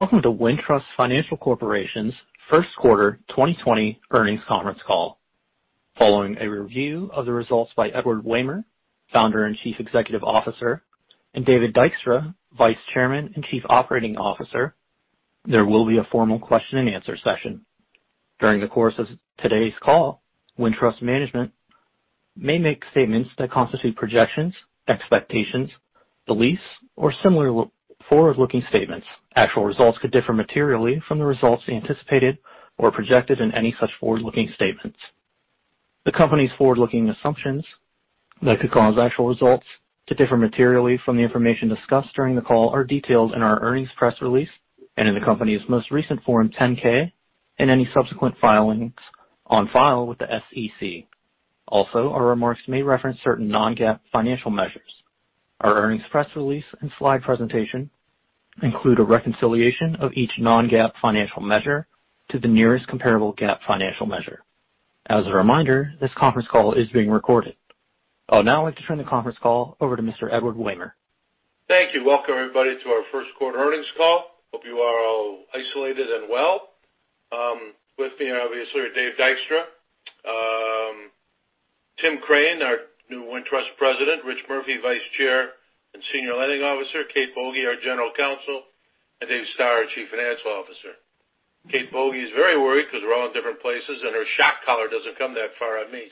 Welcome to Wintrust Financial Corporation's first quarter 2020 earnings conference call. Following a review of the results by Edward Wehmer, Founder and Chief Executive Officer, and David Dykstra, Vice Chairman and Chief Operating Officer, there will be a formal Q&A session. During the course of today's call, Wintrust management may make statements that constitute projections, expectations, beliefs, or similar forward-looking statements. Actual results could differ materially from the results anticipated or projected in any such forward-looking statements. The company's forward-looking assumptions that could cause actual results to differ materially from the information discussed during the call are detailed in our earnings press release and in the company's most recent Form 10-K and any subsequent filings on file with the SEC. Our remarks may reference certain non-GAAP financial measures. Our earnings press release and slide presentation include a reconciliation of each non-GAAP financial measure to the nearest comparable GAAP financial measure. As a reminder, this conference call is being recorded. I would now like to turn the conference call over to Mr. Edward Wehmer. Thank you. Welcome everybody to our first quarter earnings call. Hope you are all isolated and well. With me, obviously, are Dave Dykstra, Tim Crane, our new Wintrust President, Rich Murphy, Vice Chair and Senior Lending Officer, Kate Boege, our General Counsel, and Dave Stoehr, our Chief Financial Officer. Kate Boege is very worried because we're all in different places, and her shock collar doesn't come that far on me.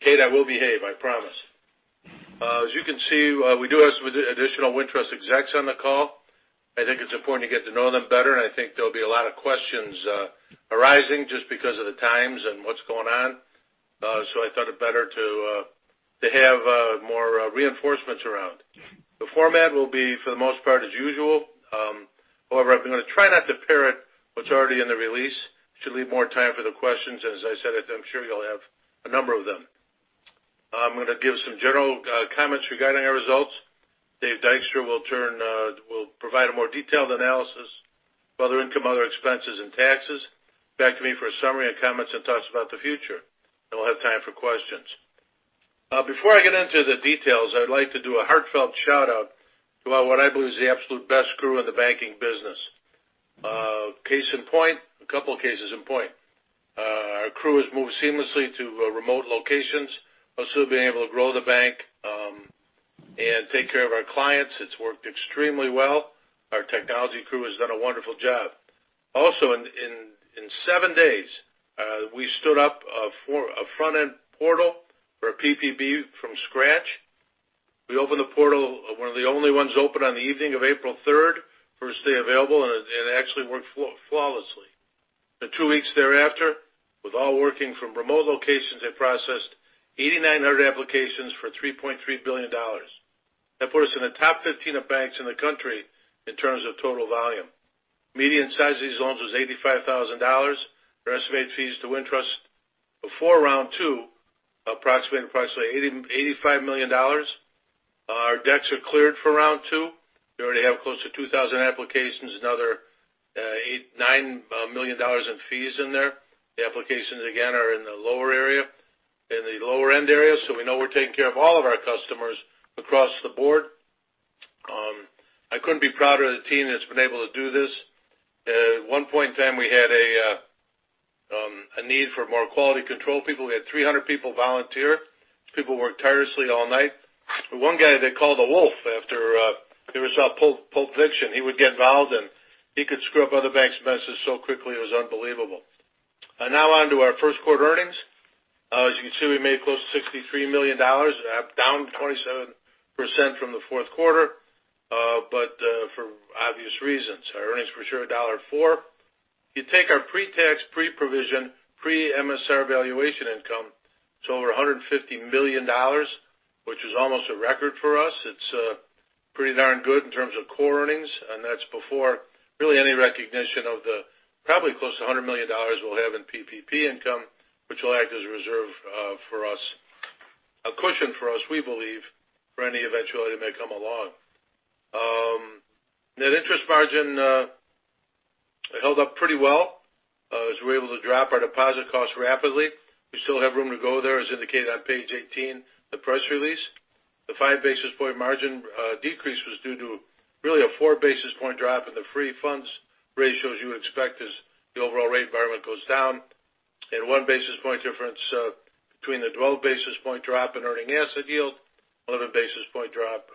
Kate, I will behave, I promise. As you can see, we do have some additional Wintrust execs on the call. I think it's important to get to know them better, and I think there'll be a lot of questions arising just because of the times and what's going on. I thought it better to have more reinforcements around. The format will be, for the most part, as usual. I'm going to try not to parrot what's already in the release. It should leave more time for the questions. As I said, I'm sure you'll have a number of them. I'm going to give some general comments regarding our results. Dave Dykstra will provide a more detailed analysis of other income, other expenses, and taxes. Back to me for a summary and comments and talks about the future. We'll have time for questions. Before I get into the details, I'd like to do a heartfelt shout-out about what I believe is the absolute best crew in the banking business. A couple cases in point. Our crew has moved seamlessly to remote locations while still being able to grow the bank and take care of our clients. It's worked extremely well. Our technology crew has done a wonderful job. Also, in seven days, we stood up a front-end portal for a PPP from scratch. We opened the portal, one of the only ones open on the evening of April 3rd, first day available. It actually worked flawlessly. The two weeks thereafter, with all working from remote locations, they processed 8,900 applications for $3.3 billion. That put us in the top 15 of banks in the country in terms of total volume. Median size of these loans was $85,000. Our estimated fees to Wintrust before round two, approximately $85 million. Our decks are cleared for round two. We already have close to 2,000 applications, another $9 million in fees in there. The applications, again, are in the lower end area. We know we're taking care of all of our customers across the board. I couldn't be prouder of the team that's been able to do this. At one point in time, we had a need for more quality control people. We had 300 people volunteer. People worked tirelessly all night. One guy, they called the Wolf after there was a Pulp Fiction. He would get involved, he could screw up other banks' messages so quickly it was unbelievable. On to our first quarter earnings. As you can see, we made close to $63 million, down 27% from the fourth quarter, for obvious reasons. Our earnings per share, $1.04. If you take our pre-tax, pre-provision, pre-MSR valuation income, it's over $150 million, which is almost a record for us. It's pretty darn good in terms of core earnings, that's before really any recognition of the probably close to $100 million we'll have in PPP income, which will act as a reserve for us. A cushion for us, we believe, for any eventuality that may come along. Net interest margin held up pretty well, as we were able to drop our deposit costs rapidly. We still have room to go there, as indicated on page 18 of the press release. The five basis point margin decrease was due to really a four basis point drop in the free funds ratios you expect as the overall rate environment goes down, and one basis point difference between the 12 basis point drop in earning asset yield, another basis point drop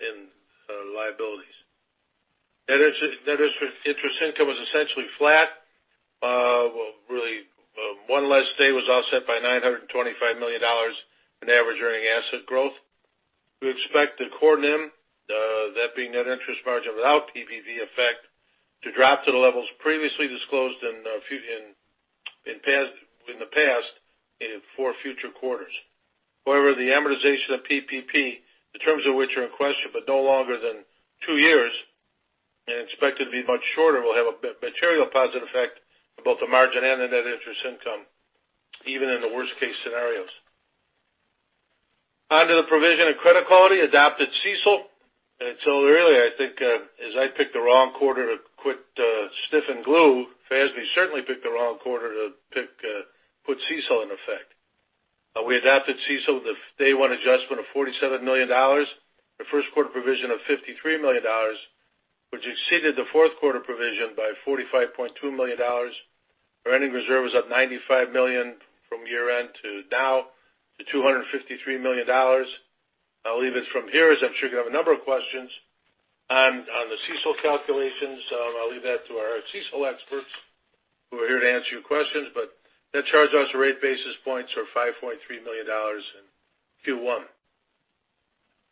in liabilities. Net interest income was essentially flat. Well, really, one less day was offset by $925 million in average earning asset growth. We expect the core NIM, that being net interest margin without PPV effect, to drop to the levels previously disclosed in the past for future quarters. The amortization of PPP, the terms of which are in question but no longer than two years and expected to be much shorter, will have a material positive effect on both the margin and the net interest income, even in the worst case scenarios. On to the provision of credit quality, adopted CECL. Really, I think as I picked the wrong quarter to quit sniffing glue, FASB certainly picked the wrong quarter to put CECL in effect. We adopted CECL with a day one adjustment of $47 million. The first quarter provision of $53 million, which exceeded the fourth quarter provision by $45.2 million. Our earning reserve is up $95 million from year-end to now to $253 million. I'll leave it from here, as I'm sure you have a number of questions on the CECL calculations. I'll leave that to our CECL experts who are here to answer your questions. Net charge-offs are eight basis points or $5.3 million in Q1.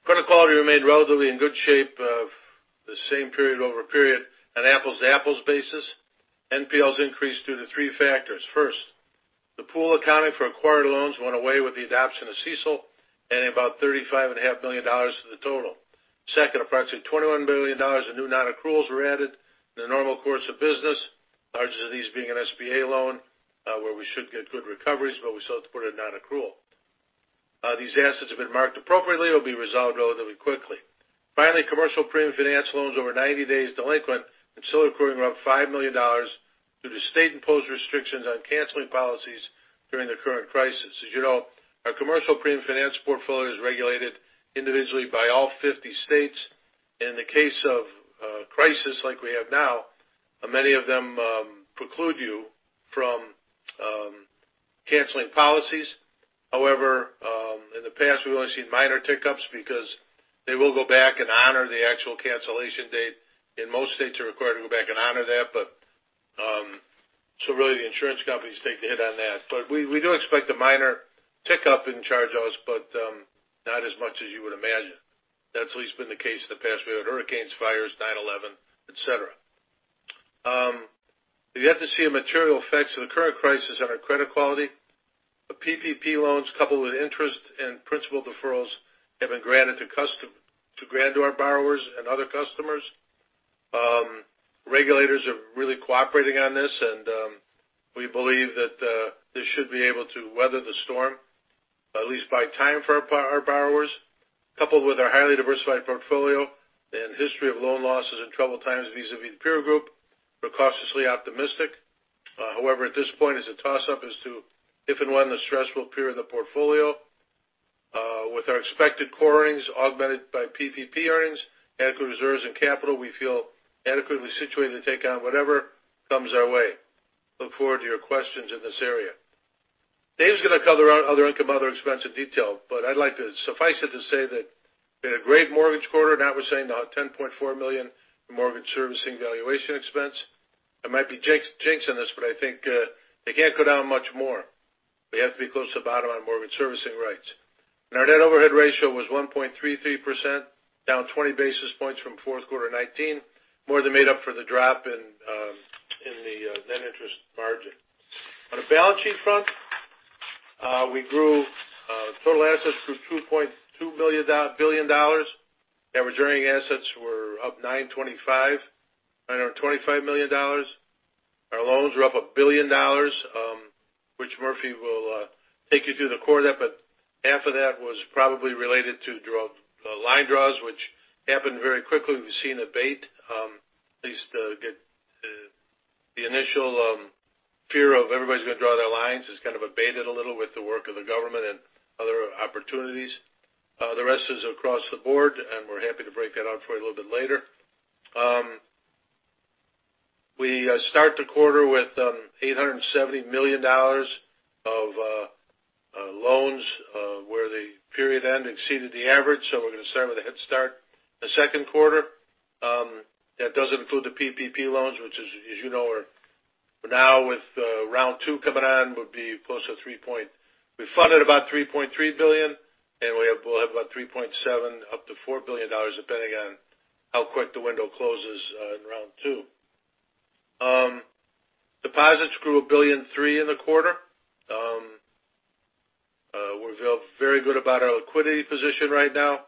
Credit quality remained relatively in good shape of the same period-over-period on apples-to-apples basis. NPLs increased due to three factors. First, the pool accounting for acquired loans went away with the adoption of CECL, adding about $35.5 million to the total. Second, approximately $21 billion of new non-accruals were added in the normal course of business. Largest of these being an SBA loan, where we should get good recoveries, but we still have to put a non-accrual. These assets have been marked appropriately, will be resolved relatively quickly. Finally, commercial premium finance loans over 90 days delinquent and still accruing around $5 million due to state-imposed restrictions on canceling policies during the current crisis. As you know, our commercial premium finance portfolio is regulated individually by all 50 states. In the case of a crisis like we have now, many of them preclude you from canceling policies. In the past, we've only seen minor tick-ups because they will go back and honor the actual cancellation date. In most states, they are required to go back and honor that. Really the insurance companies take the hit on that. We do expect a minor tick-up in charge-offs, but not as much as you would imagine. That's at least been the case in the past. We had hurricanes, fires, 9/11, et cetera. We have yet to see a material effect of the current crisis on our credit quality. The PPP loans, coupled with interest and principal deferrals, have been granted to our borrowers and other customers. Regulators are really cooperating on this, and we believe that this should be able to weather the storm, at least buy time for our borrowers. Coupled with our highly diversified portfolio and history of loan losses in troubled times vis-a-vis peer group, we're cautiously optimistic. However, at this point it's a toss-up as to if and when the stress will appear in the portfolio. With our expected core earnings augmented by PPP earnings, adequate reserves and capital, we feel adequately situated to take on whatever comes our way. Look forward to your questions in this area. Dave's going to cover our other income, other expense in detail, but I'd like to suffice it to say that been a great mortgage quarter. Matt was saying the $10.4 million in mortgage servicing valuation expense. I might be jinxing this, but I think they can't go down much more. We have to be close to the bottom on mortgage servicing rights. Our net overhead ratio was 1.33%, down 20 basis points from fourth quarter 2019, more than made up for the drop in the net interest margin. On a balance sheet front, we grew total assets through $2.2 billion. Net returning assets were up $925 million. Our loans were up $1 billion, which Murphy will take you through the quarter. Half of that was probably related to line draws, which happened very quickly. We've seen abate, at least the initial fear of everybody's going to draw their lines is kind of abated a little with the work of the government and other opportunities. The rest is across the board, and we're happy to break that out for you a little bit later. We start the quarter with $870 million of loans, where the period end exceeded the average. We're going to start with a head start in the second quarter. That doesn't include the PPP loans, which as you know, are now with round two coming on, would be close to. We funded about $3.3 billion, and we'll have about $3.7 billion up to $4 billion, depending on how quick the window closes in round two. Deposits grew $1.3 billion in the quarter. We feel very good about our liquidity position right now.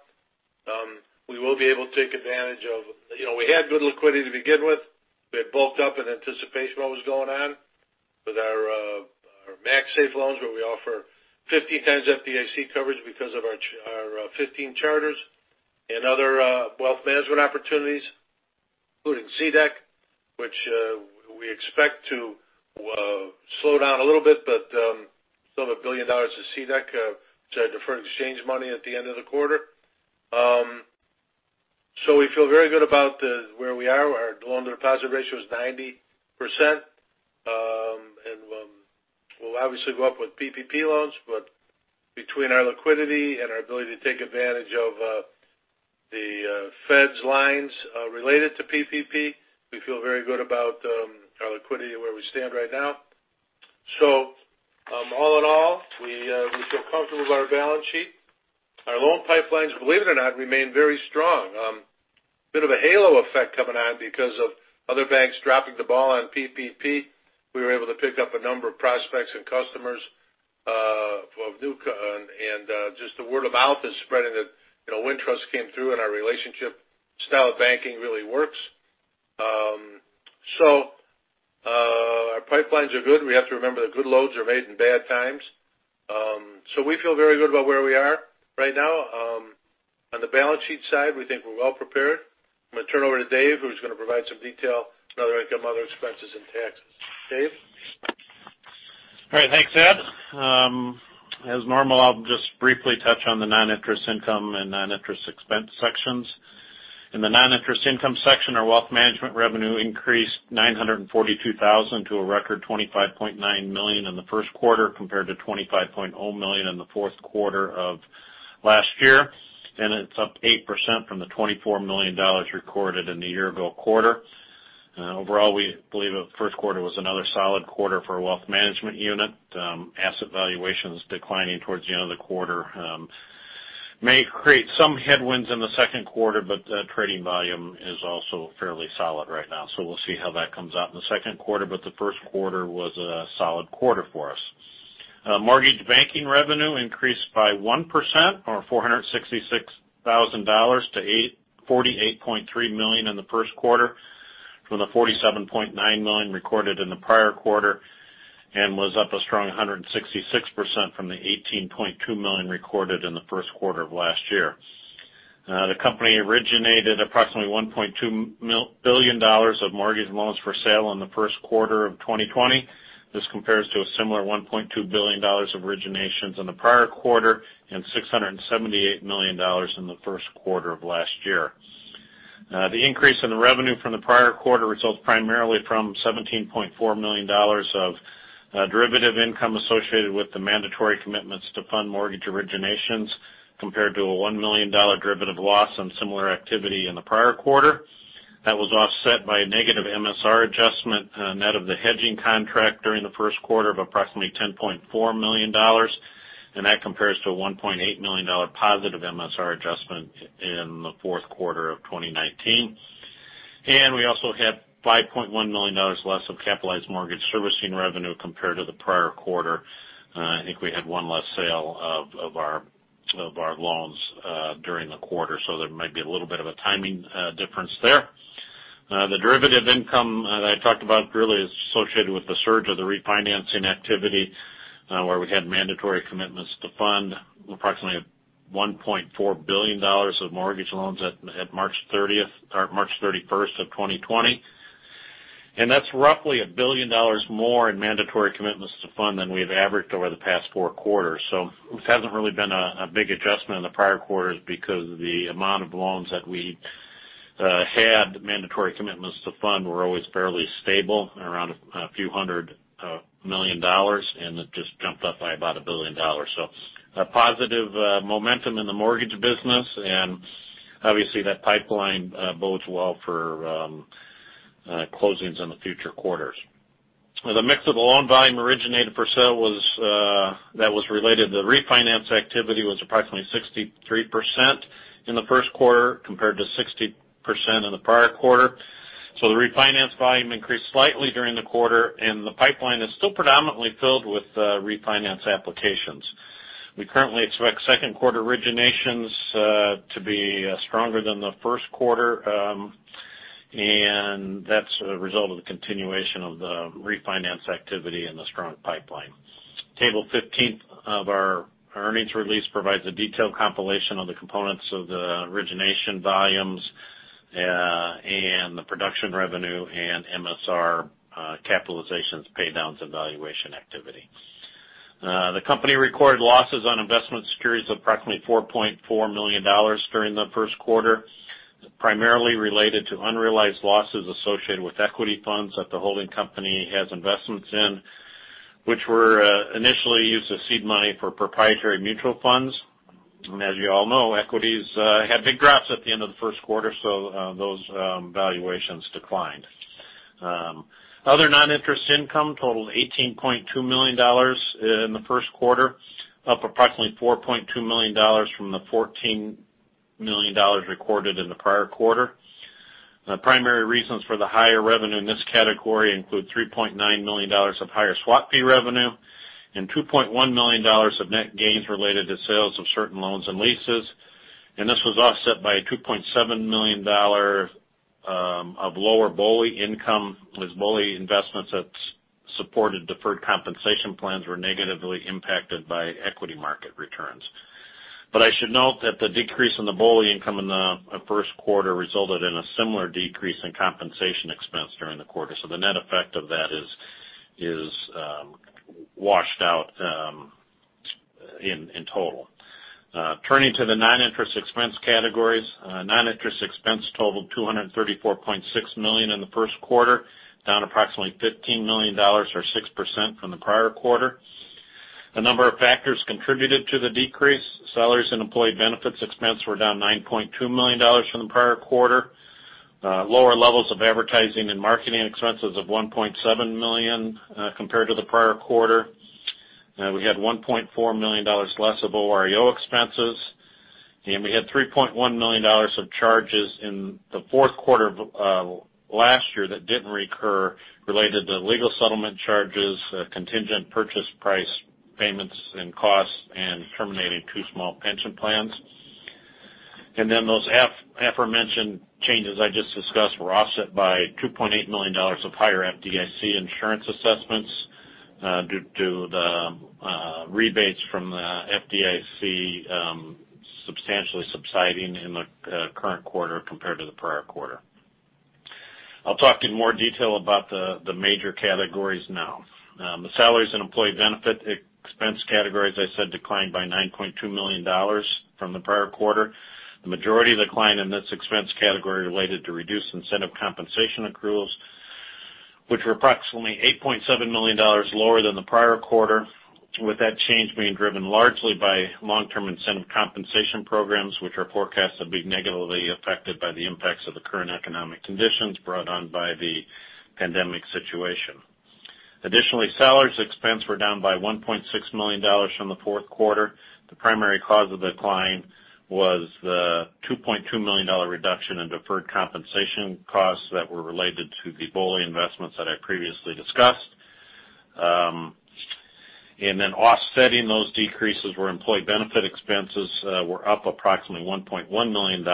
We had good liquidity to begin with. We had bulked up in anticipation of what was going on with our MaxSafe loans, where we offer 15x FDIC coverage because of our 15 charters and other wealth management opportunities, including CDEC, which we expect to slow down a little bit, but still have $1 billion of CDEC, which I defer to exchange money at the end of the quarter. We feel very good about where we are. Our loan deposit ratio is 90%. We'll obviously go up with PPP loans, but between our liquidity and our ability to take advantage of the Fed's lines related to PPP, we feel very good about our liquidity and where we stand right now. All in all, we feel comfortable with our balance sheet. Our loan pipelines, believe it or not, remain very strong. Bit of a halo effect coming on because of other banks dropping the ball on PPP. We were able to pick up a number of prospects and customers. Just the word of mouth is spreading that Wintrust came through and our relationship style of banking really works. Our pipelines are good. We have to remember that good loans are made in bad times. We feel very good about where we are right now. On the balance sheet side, we think we're well-prepared. I'm going to turn it over to Dave, who's going to provide some detail on other income, other expenses, and taxes. Dave? All right. Thanks, Ed. As normal, I'll just briefly touch on the non-interest income and non-interest expense sections. In the non-interest income section, our wealth management revenue increased $942,000 to a record $25.9 million in the first quarter, compared to $25.0 million in the fourth quarter of last year. It's up 8% from the $24 million recorded in the year-ago quarter. Overall, we believe the first quarter was another solid quarter for our wealth management unit. Asset valuations declining towards the end of the quarter may create some headwinds in the second quarter, trading volume is also fairly solid right now. We'll see how that comes out in the second quarter, the first quarter was a solid quarter for us. Mortgage banking revenue increased by 1%, or $466,000, to $48.3 million in the first quarter, from the $47.9 million recorded in the prior quarter, and was up a strong 166% from the $18.2 million recorded in the first quarter of last year. The company originated approximately $1.2 billion of mortgage loans for sale in the first quarter of 2020. This compares to a similar $1.2 billion of originations in the prior quarter, and $678 million in the first quarter of last year. The increase in the revenue from the prior quarter results primarily from $17.4 million of derivative income associated with the mandatory commitments to fund mortgage originations, compared to a $1 million derivative loss on similar activity in the prior quarter. That was offset by a negative MSR adjustment net of the hedging contract during the first quarter of approximately $10.4 million. That compares to a $1.8 million positive MSR adjustment in the fourth quarter of 2019. We also had $5.1 million less of capitalized mortgage servicing revenue compared to the prior quarter. I think we had one less sale of our loans during the quarter, so there might be a little bit of a timing difference there. The derivative income that I talked about really is associated with the surge of the refinancing activity, where we had mandatory commitments to fund approximately $1.4 billion of mortgage loans at March 31, 2020. That's roughly $1 billion more in mandatory commitments to fund than we've averaged over the past four quarters. It hasn't really been a big adjustment in the prior quarters because of the amount of loans that we had. Mandatory commitments to fund were always fairly stable, around a few hundred million dollars. It just jumped up by about $1 billion. A positive momentum in the mortgage business. Obviously, that pipeline bodes well for closings in the future quarters. The mix of the loan volume originated for sale that was related to the refinance activity was approximately 63% in the first quarter, compared to 60% in the prior quarter. The refinance volume increased slightly during the quarter. The pipeline is still predominantly filled with refinance applications. We currently expect second quarter originations to be stronger than the first quarter. That's a result of the continuation of the refinance activity and the strong pipeline. Table 15 of our earnings release provides a detailed compilation of the components of the origination volumes, and the production revenue, and MSR capitalizations, paydowns, and valuation activity. The company recorded losses on investment securities of approximately $4.4 million during the first quarter, primarily related to unrealized losses associated with equity funds that the holding company has investments in, which were initially used as seed money for proprietary mutual funds. As you all know, equities had big drops at the end of the first quarter, so those valuations declined. Other non-interest income totaled $18.2 million in the first quarter, up approximately $4.2 million from the $14 million recorded in the prior quarter. Primary reasons for the higher revenue in this category include $3.9 million of higher swap fee revenue and $2.1 million of net gains related to sales of certain loans and leases. This was offset by $2.7 million of lower BOLI income, as BOLI investments that supported deferred compensation plans were negatively impacted by equity market returns. I should note that the decrease in the BOLI income in the first quarter resulted in a similar decrease in compensation expense during the quarter. The net effect of that is washed out in total. Turning to the non-interest expense categories. Non-interest expense totaled $234.6 million in the first quarter, down approximately $15 million or 6% from the prior quarter. A number of factors contributed to the decrease. Salaries and employee benefits expense were down $9.2 million from the prior quarter. Lower levels of advertising and marketing expenses of $1.7 million compared to the prior quarter. We had $1.4 million less of OREO expenses, and we had $3.1 million of charges in the fourth quarter of last year that didn't recur, related to legal settlement charges, contingent purchase price payments and costs, and terminating two small pension plans. Those aforementioned changes I just discussed were offset by $2.8 million of higher FDIC insurance assessments. Due to the rebates from the FDIC substantially subsiding in the current quarter compared to the prior quarter. I'll talk in more detail about the major categories now. The salaries and employee benefit expense categories, as I said, declined by $9.2 million from the prior quarter. The majority of the decline in this expense category related to reduced incentive compensation accruals, which were approximately $8.7 million lower than the prior quarter, with that change being driven largely by long-term incentive compensation programs, which are forecast to be negatively affected by the impacts of the current economic conditions brought on by the pandemic situation. Additionally, salaries expense were down by $1.6 million from the fourth quarter. The primary cause of the decline was the $2.2 million reduction in deferred compensation costs that were related to the BOLI investments that I previously discussed. Offsetting those decreases were employee benefit expenses were up approximately $1.1 million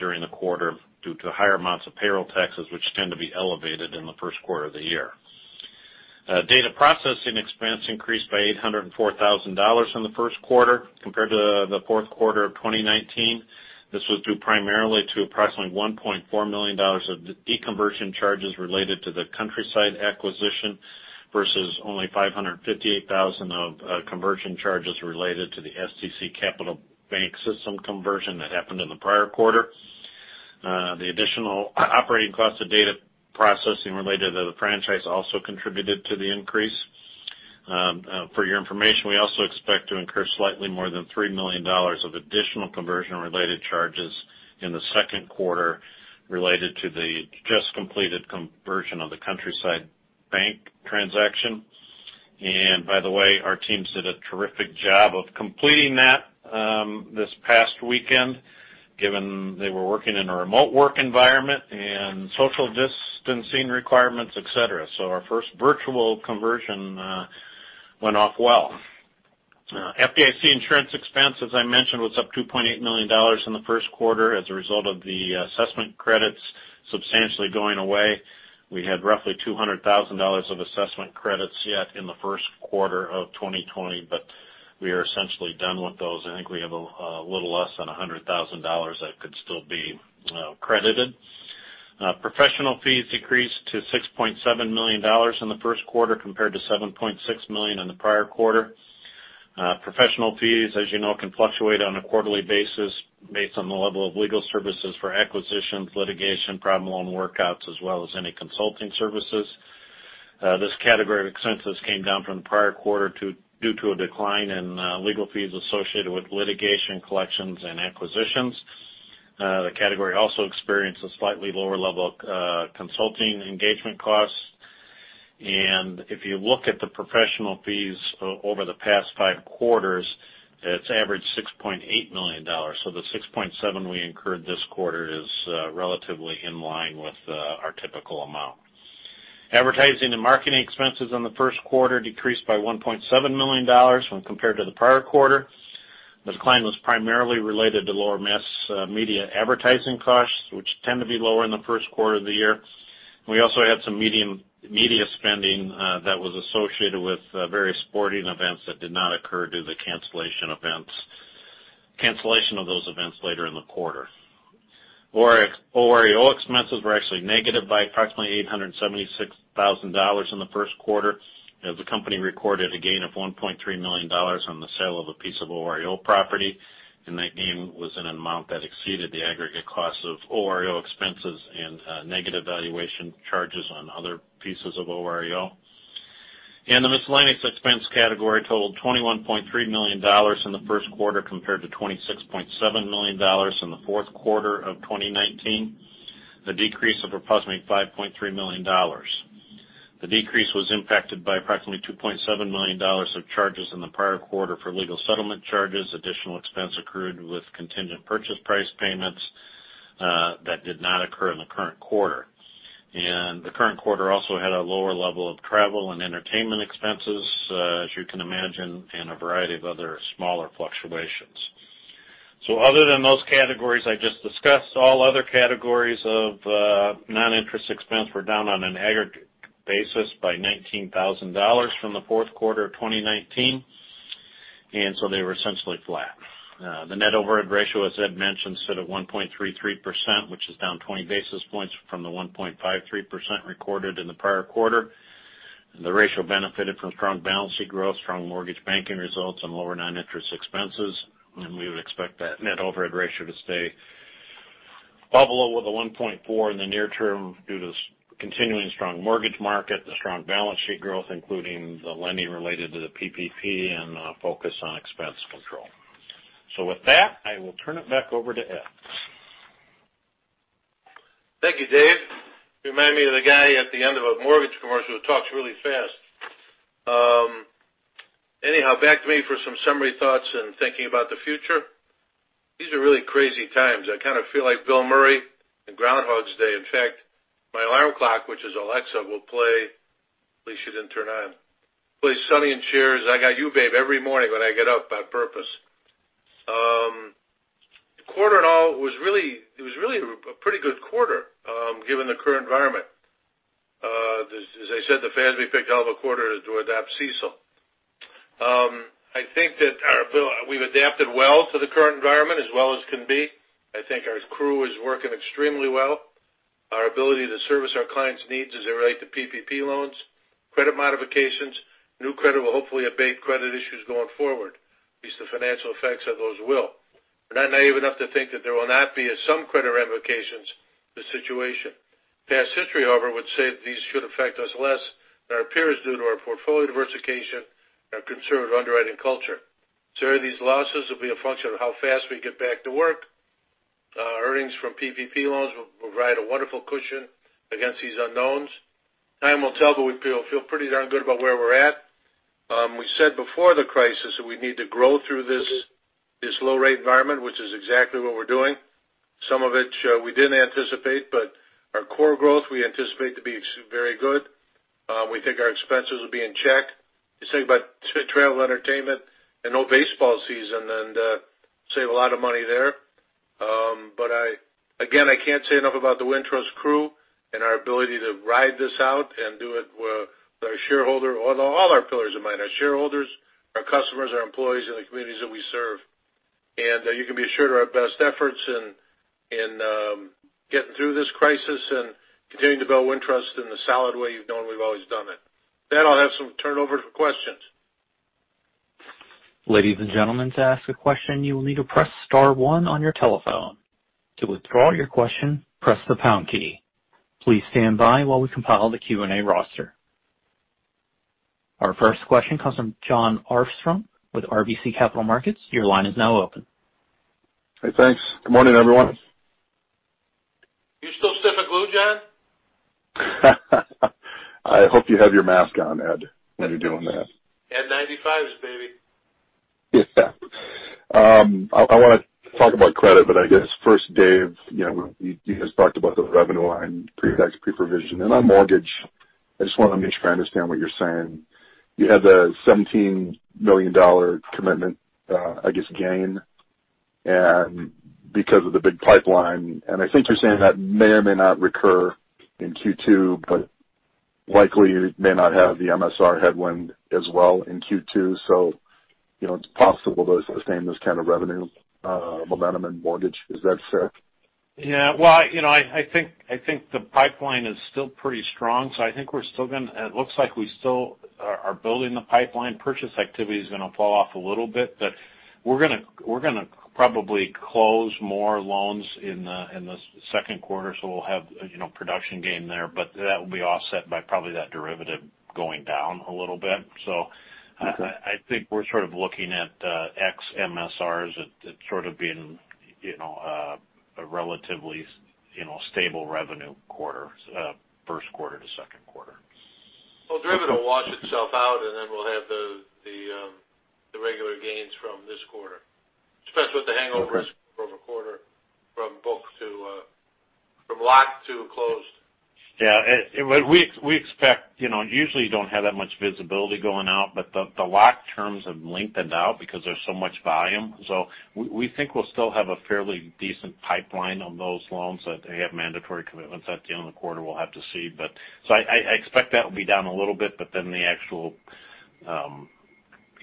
during the quarter due to higher amounts of payroll taxes, which tend to be elevated in the first quarter of the year. Data processing expense increased by $804,000 in the first quarter compared to the fourth quarter of 2019. This was due primarily to approximately $1.4 million of deconversion charges related to the Countryside acquisition versus only $558,000 of conversion charges related to the STC Capital Bank system conversion that happened in the prior quarter. The additional operating cost of data processing related to the franchise also contributed to the increase. For your information, we also expect to incur slightly more than $3 million of additional conversion-related charges in the second quarter related to the just-completed conversion of the Countryside Bank transaction. By the way, our teams did a terrific job of completing that this past weekend, given they were working in a remote work environment and social distancing requirements, et cetera. Our first virtual conversion went off well. FDIC insurance expense, as I mentioned, was up $2.8 million in the first quarter as a result of the assessment credits substantially going away. We had roughly $200,000 of assessment credits yet in the first quarter of 2020. We are essentially done with those. I think we have a little less than $100,000 that could still be credited. Professional fees decreased to $6.7 million in the first quarter, compared to $7.6 million in the prior quarter. Professional fees, as you know, can fluctuate on a quarterly basis based on the level of legal services for acquisitions, litigation, problem loan workouts, as well as any consulting services. This category of expenses came down from the prior quarter due to a decline in legal fees associated with litigation collections and acquisitions. The category also experienced a slightly lower level of consulting engagement costs. If you look at the professional fees over the past five quarters, it's averaged $6.8 million. The $6.7 we incurred this quarter is relatively in line with our typical amount. Advertising and marketing expenses in the first quarter decreased by $1.7 million when compared to the prior quarter. The decline was primarily related to lower mass media advertising costs, which tend to be lower in the first quarter of the year. We also had some media spending that was associated with various sporting events that did not occur due to the cancellation of those events later in the quarter. OREO expenses were actually negative by approximately $876,000 in the first quarter as the company recorded a gain of $1.3 million on the sale of a piece of OREO property. That gain was an amount that exceeded the aggregate cost of OREO expenses and negative valuation charges on other pieces of OREO. The miscellaneous expense category totaled $21.3 million in the first quarter, compared to $26.7 million in the fourth quarter of 2019, a decrease of approximately $5.3 million. The decrease was impacted by approximately $2.7 million of charges in the prior quarter for legal settlement charges, additional expense accrued with contingent purchase price payments that did not occur in the current quarter. The current quarter also had a lower level of travel and entertainment expenses, as you can imagine, and a variety of other smaller fluctuations. Other than those categories I just discussed, all other categories of non-interest expense were down on an aggregate basis by $19,000 from the fourth quarter of 2019, they were essentially flat. The net overhead ratio, as Ed mentioned, stood at 1.33%, which is down 20 basis points from the 1.53% recorded in the prior quarter. The ratio benefited from strong balance sheet growth, strong mortgage banking results, and lower non-interest expenses, we would expect that net overhead ratio to stay well below the 1.4 in the near term due to continuing strong mortgage market, the strong balance sheet growth, including the lending related to the PPP and a focus on expense control. With that, I will turn it back over to Ed. Thank you, Dave. You remind me of the guy at the end of a mortgage commercial who talks really fast. Back to me for some summary thoughts and thinking about the future. These are really crazy times. I kind of feel like Bill Murray in "Groundhog Day." In fact, my alarm clock, which is Alexa, will play Sonny & Cher's "I Got You Babe" every morning when I get up on purpose. Quarter, given the current environment. As I said, the Fed has been picked half a quarter to adapt CECL. I think that we've adapted well to the current environment, as well as can be. I think our crew is working extremely well. Our ability to service our clients' needs as they relate to PPP loans, credit modifications. New credit will hopefully abate credit issues going forward. At least the financial effects of those will. We're not naive enough to think that there will not be some credit ramifications to the situation. Past history, however, would say that these should affect us less than our peers due to our portfolio diversification and our conservative underwriting culture. Certainly, these losses will be a function of how fast we get back to work. Earnings from PPP loans will provide a wonderful cushion against these unknowns. Time will tell, but we feel pretty darn good about where we're at. We said before the crisis that we need to grow through this low rate environment, which is exactly what we're doing. Some of it we didn't anticipate, but our core growth we anticipate to be very good. We think our expenses will be in check. You think about travel, entertainment, and no baseball season, and save a lot of money there. Again, I can't say enough about the Wintrust crew and our ability to ride this out and do it with all our pillars in mind. Our shareholders, our customers, our employees, and the communities that we serve. You can be assured our best efforts in getting through this crisis and continuing to build Wintrust in the solid way you've known we've always done it. I'll have some turnover for questions. Ladies and gentlemen, to ask a question, you will need to press star one on your telephone. To withdraw your question, press the pound key. Please stand by while we compile the Q&A roster. Our first question comes from Jon Arfstrom with RBC Capital Markets. Your line is now open. Hey, thanks. Good morning, everyone. You still sniffing glue, Jon? I hope you have your mask on, Ed, when you're doing that. N95s, baby. Yeah. I want to talk about credit. I guess first, Dave, you guys talked about the revenue line, pre-tax, pre-provision, and on mortgage. I just want to make sure I understand what you're saying. You had the $17 million commitment, I guess, gain because of the big pipeline. I think you're saying that may or may not recur in Q2, but likely you may not have the MSR headwind as well in Q2. It's possible there's the same as kind of revenue momentum in mortgage. Is that fair? Yeah. Well, I think the pipeline is still pretty strong. It looks like we still are building the pipeline. Purchase activity is going to fall off a little bit. We're going to probably close more loans in the second quarter, so we'll have production gain there. That will be offset by probably that derivative going down a little bit. I think we're sort of looking at X MSR as it sort of being a relatively stable revenue quarter, first quarter to second quarter. Well, derivative will wash itself out, and then we'll have the regular gains from this quarter. Especially with the hangover risk from a quarter from lock to closed. We expect usually you don't have that much visibility going out. The lock terms have lengthened out because there's so much volume. We think we'll still have a fairly decent pipeline on those loans that have mandatory commitments at the end of the quarter. We'll have to see. I expect that will be down a little bit, but then the actual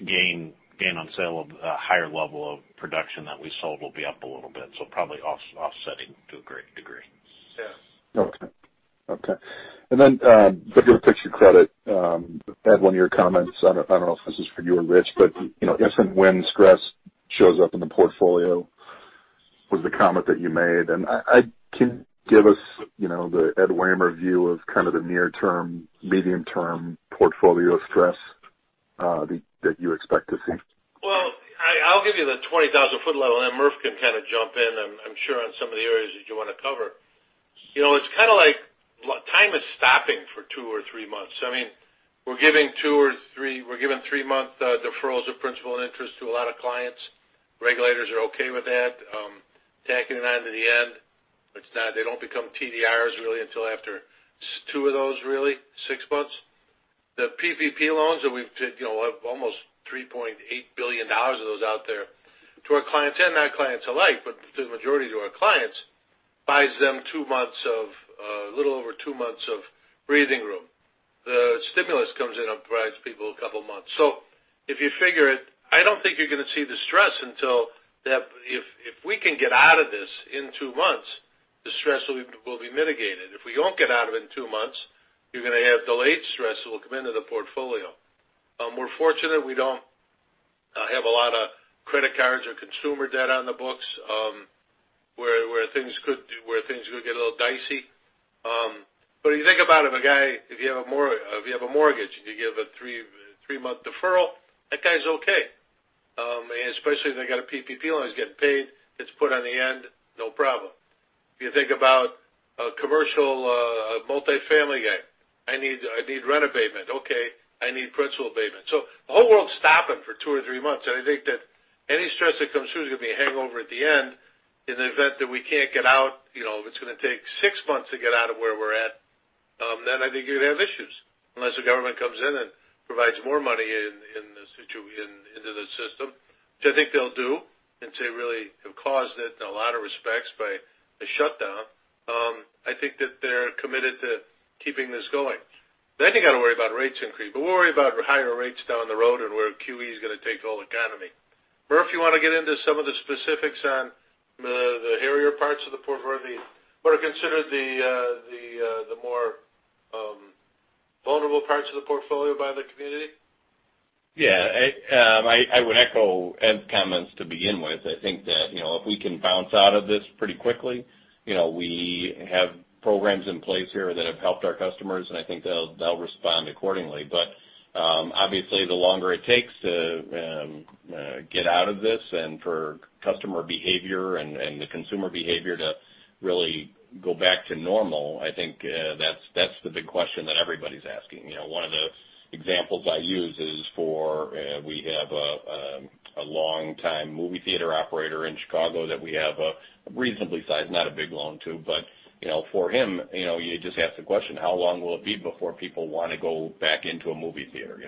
gain on sale of a higher level of production that we sold will be up a little bit. Probably offsetting to a great degree. Yes. Okay. With your picture credit, Ed, one of your comments, I don't know if this is for you or Rich, but if and when stress shows up in the portfolio, was the comment that you made. Can you give us the Ed Wehmer view of kind of the near term, medium term portfolio stress that you expect to see? Well, I'll give you the 20,000-foot level, and then Murphy can kind of jump in, I'm sure, on some of the areas that you want to cover. It's kind of like time is stopping for two or three months. We're giving three-month deferrals of principal and interest to a lot of clients. Regulators are okay with that. Tacking it on to the end. They don't become TDRs really until after two of those, really. Six months. The PPP loans that we've-- we have almost $3.8 billion of those out there to our clients and not clients alike, but the majority to our clients, buys them a little over two months of breathing room. The stimulus comes in and provides people a couple of months. If you figure it, I don't think you're going to see the stress until if we can get out of this in two months, the stress will be mitigated. If we don't get out of it in two months, you're going to have delayed stress that will come into the portfolio. We're fortunate we don't have a lot of credit cards or consumer debt on the books, where things could get a little dicey. If you think about if you have a mortgage and you give a three-month deferral, that guy's okay. Especially if they got a PPP loan. He's getting paid, it's put on the end, no problem. If you think about a commercial, a multifamily guy. I need rent abatement. Okay. I need principal abatement. The whole world's stopping for two or three months, and I think that any stress that comes through is going to be a hangover at the end in the event that we can't get out. If it's going to take six months to get out of where we're at, then I think you're going to have issues unless the government comes in and provides more money into the system. Which I think they'll do, since they really have caused it in a lot of respects by the shutdown. I think that they're committed to keeping this going. You got to worry about rates increase. We'll worry about higher rates down the road and where QE is going to take the whole economy. Murphy, you want to get into some of the specifics on the hairier parts of the portfolio, what are considered the more vulnerable parts of the portfolio by the community? Yeah. I would echo Ed's comments to begin with. I think that if we can bounce out of this pretty quickly, we have programs in place here that have helped our customers, and I think they'll respond accordingly. Obviously the longer it takes to get out of this, and for customer behavior and the consumer behavior to really go back to normal, I think that's the big question that everybody's asking. One of the examples I use is for, we have a long-time movie theater operator in Chicago that we have a reasonably sized, not a big loan to, but for him, you just ask the question, how long will it be before people want to go back into a movie theater?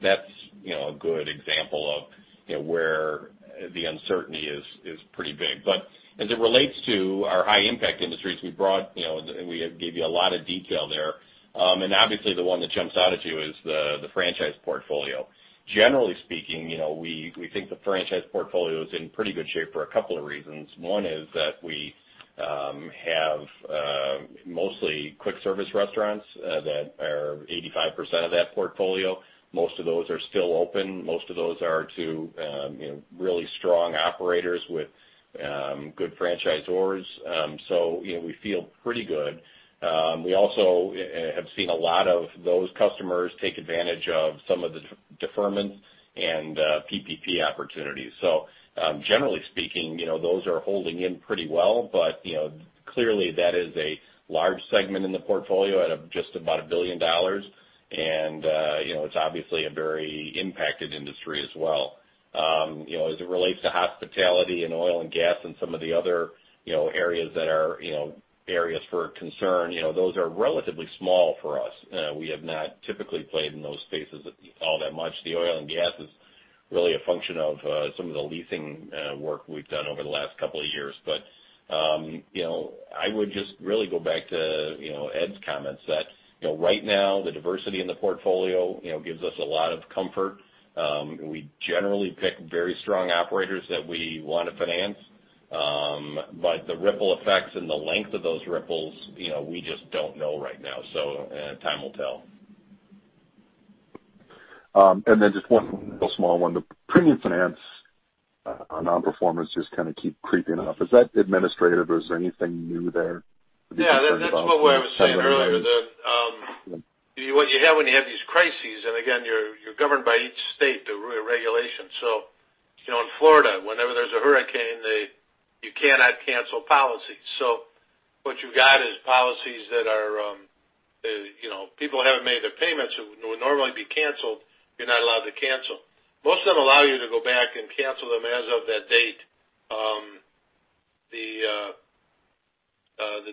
That's a good example of where the uncertainty is pretty big. As it relates to our high impact industries, we gave you a lot of detail there. Obviously the one that jumps out at you is the franchise portfolio. Generally speaking, we think the franchise portfolio is in pretty good shape for a couple of reasons. One is that we have mostly quick service restaurants that are 85% of that portfolio. Most of those are still open. Most of those are to really strong operators with good franchisors. We feel pretty good. We also have seen a lot of those customers take advantage of some of the deferments and PPP opportunities. Generally speaking, those are holding in pretty well. Clearly that is a large segment in the portfolio at just about $1 billion. It's obviously a very impacted industry as well. As it relates to hospitality and oil and gas and some of the other areas that are areas for concern, those are relatively small for us. We have not typically played in those spaces all that much. The oil and gas is really a function of some of the leasing work we've done over the last couple of years. I would just really go back to Ed's comments that right now the diversity in the portfolio gives us a lot of comfort. We generally pick very strong operators that we want to finance. The ripple effects and the length of those ripples, we just don't know right now. Time will tell. Just one real small one. The premium finance on non-performance just kind of keep creeping up. Is that administrative or is there anything new there that you're concerned about? Yeah, that's what I was saying earlier that what you have when you have these crises, again, you're governed by each state through a regulation. In Florida, whenever there's a hurricane, you cannot cancel policies. What you got is policies that people haven't made their payments who would normally be canceled, you're not allowed to cancel. Most of them allow you to go back and cancel them as of that date. The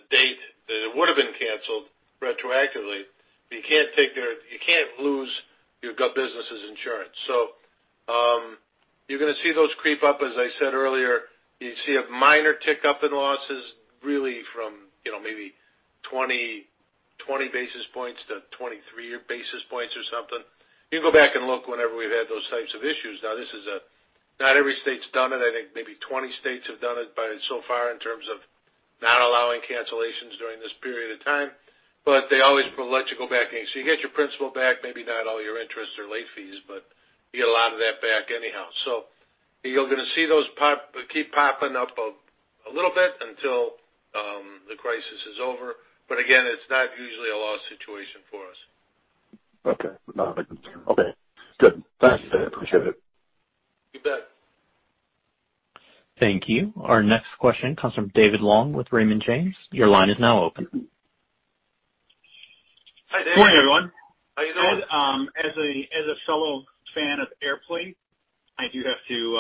date that it would've been canceled retroactively. You can't lose your business' insurance. You're going to see those creep up as I said earlier. You see a minor tick up in losses, really from maybe 20 basis points to 23 basis points or something. You can go back and look whenever we've had those types of issues. Not every state's done it. I think maybe 20 states have done it so far in terms of not allowing cancellations during this period of time. They always will let you go back in. You get your principal back, maybe not all your interest or late fees. You get a lot of that back anyhow. You're going to see those keep popping up a little bit until the crisis is over. Again, it's not usually a loss situation for us. Okay. Not a big concern. Okay, good. Thanks, Ed, appreciate it. You bet. Thank you. Our next question comes from David Long with Raymond James. Your line is now open. Hi, Dave. Good morning, everyone. How are you, Ed? As a fellow fan of Airplane!, I do have to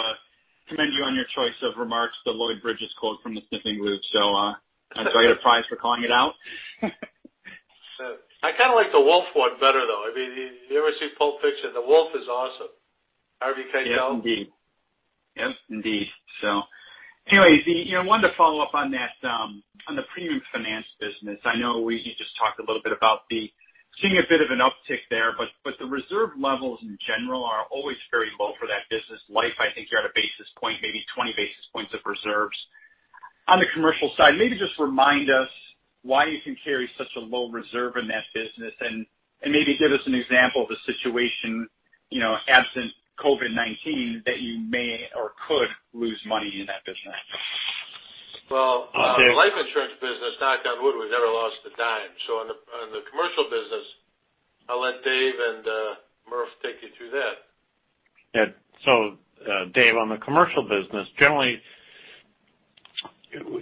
commend you on your choice of remarks, the Lloyd Bridges quote from "sniffing glue." I get a prize for calling it out? I kind of like the wolf one better, though. I mean, have you ever seen Pulp Fiction? The wolf is awesome. Harvey Keitel. Yes, indeed. Anyways, I wanted to follow up on the premium finance business. I know you just talked a little bit about seeing a bit of an uptick there, the reserve levels in general are always very low for that business. Life, I think you're at one basis point, maybe 20 basis points of reserves. On the commercial side, maybe just remind us why you can carry such a low reserve in that business and maybe give us an example of a situation, absent COVID-19, that you may or could lose money in that business. Life insurance business, knock on wood, we've never lost $0.10. On the commercial business, I'll let Dave and Murphy take you through that. Dave, on the commercial business, generally,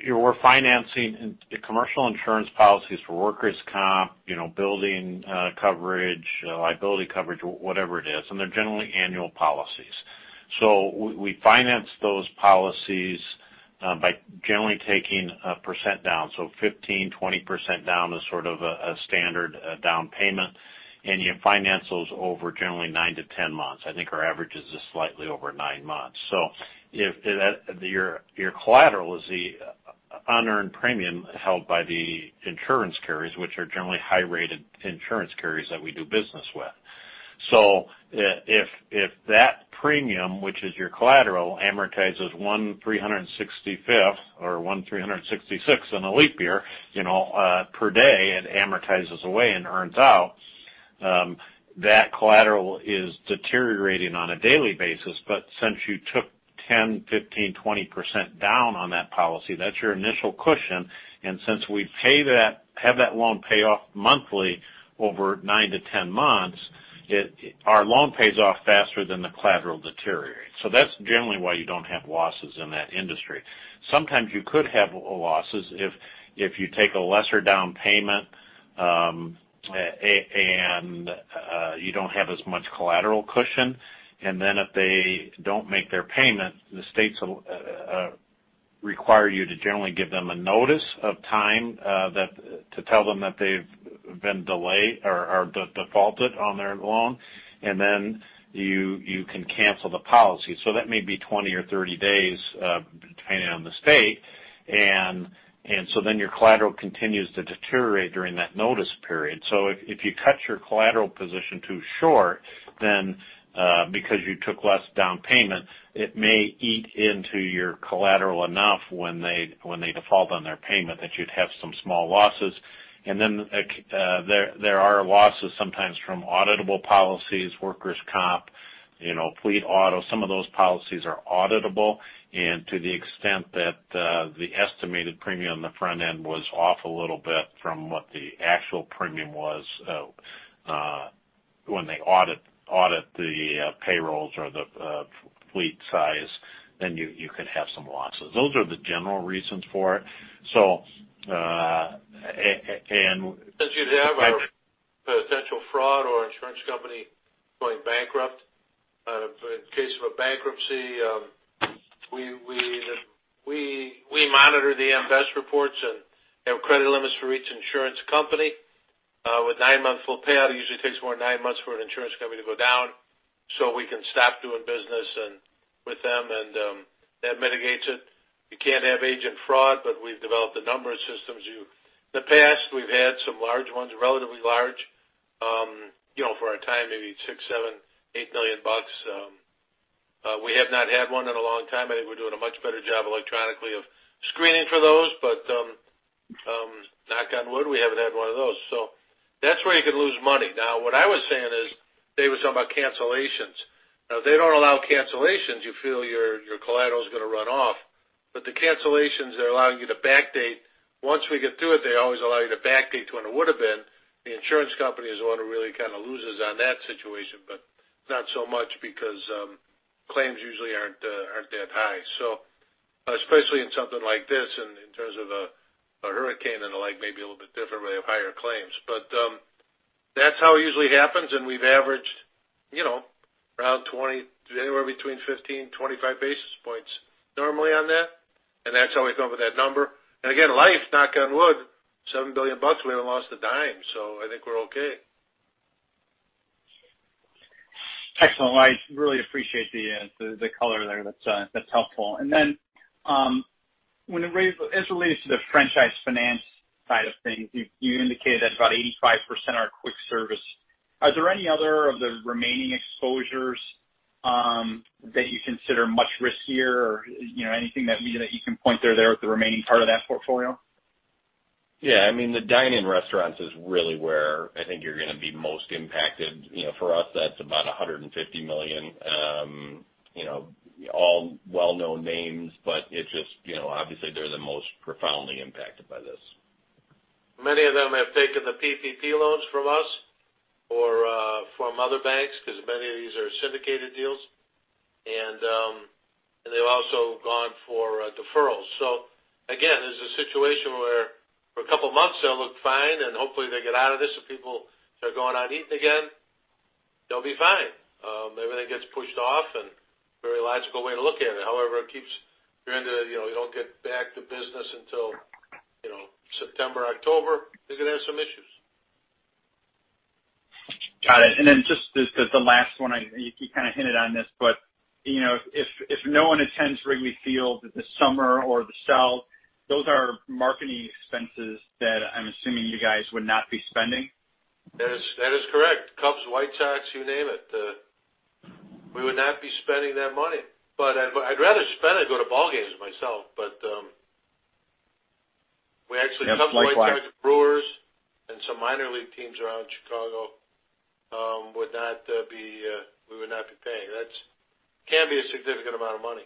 we're financing commercial insurance policies for workers' comp, building coverage, liability coverage, whatever it is. They're generally annual policies. We finance those policies by generally taking a percent down. 15%-20% down is sort of a standard down payment, and you finance those over generally 9-10 months. I think our average is just slightly over nine months. Your collateral is the unearned premium held by the insurance carriers, which are generally high-rated insurance carriers that we do business with. If that premium, which is your collateral, amortizes 1/365 or 1/366 in a leap year per day, it amortizes away and earns out, that collateral is deteriorating on a daily basis. Since you took 10%, 15%, 20% down on that policy, that's your initial cushion, and since we have that loan pay off monthly over 9-10 months, our loan pays off faster than the collateral deteriorates. That's generally why you don't have losses in that industry. Sometimes you could have losses if you take a lesser down payment, and you don't have as much collateral cushion. If they don't make their payment, the states require you to generally give them a notice of time to tell them that they've been delayed or defaulted on their loan, then you can cancel the policy. That may be 20 or 30 days, depending on the state. Your collateral continues to deteriorate during that notice period. If you cut your collateral position too short, then because you took less down payment, it may eat into your collateral enough when they default on their payment, that you'd have some small losses. There are losses sometimes from auditable policies, workers' comp, fleet auto. Some of those policies are auditable, and to the extent that the estimated premium on the front end was off a little bit from what the actual premium was, when they audit the payrolls or the fleet size, then you could have some losses. Those are the general reasons for it. As you'd have potential fraud or insurance company going bankrupt. In case of a bankruptcy, we monitor the AM Best reports and have credit limits for each insurance company. With nine-month full payout, it usually takes more than nine months for an insurance company to go down so we can stop doing business with them, that mitigates it. You can have agent fraud, we've developed a number of systems. In the past, we've had some large ones, relatively large, for our time, maybe $6 million, $7 million, $8 million. We have not had one in a long time. I think we're doing a much better job electronically of screening for those. Knock on wood, we haven't had one of those. That's where you can lose money. Now, what I was saying is Dave was talking about cancellations. If they don't allow cancellations, you feel your collateral's going to run off. The cancellations, they're allowing you to backdate. Once we get through it, they always allow you to backdate to when it would've been. The insurance company is the one who really kind of loses on that situation, but not so much because claims usually aren't that high. Especially in something like this in terms of a hurricane and the like, maybe a little bit differently of higher claims. That's how it usually happens, and we've averaged around 20 basis points, anywhere between 15 basis points and 25 basis points normally on that. That's how we come up with that number. Again, life, knock on wood, $7 billion, we haven't lost a dime. I think we're okay. Excellent. Well, I really appreciate the color there. That's helpful. As it relates to the franchise finance side of things, you indicated that about 85% are quick service. Are there any other of the remaining exposures that you consider much riskier or anything that you can point to there with the remaining part of that portfolio? Yeah. The dine-in restaurants is really where I think you're going to be most impacted. For us, that's about $150 million. All well-known names, but obviously they're the most profoundly impacted by this. Many of them have taken the PPP loans from us or from other banks because many of these are syndicated deals. They've also gone for deferrals. Again, this is a situation where for a couple of months, they'll look fine, and hopefully they get out of this and people start going out eating again. They'll be fine. Maybe that gets pushed off and very logical way to look at it. However, you don't get back to business until September, October, they're going to have some issues. Got it. Just as the last one, you kind of hinted on this, but if no one attends Wrigley Field this summer or the Cell, those are marketing expenses that I'm assuming you guys would not be spending? That is correct. Cubs, White Sox, you name it. We would not be spending that money. I'd rather spend it go to ball games myself. Yes, likewise. Brewers and some minor league teams around Chicago, we would not be paying. That can be a significant amount of money.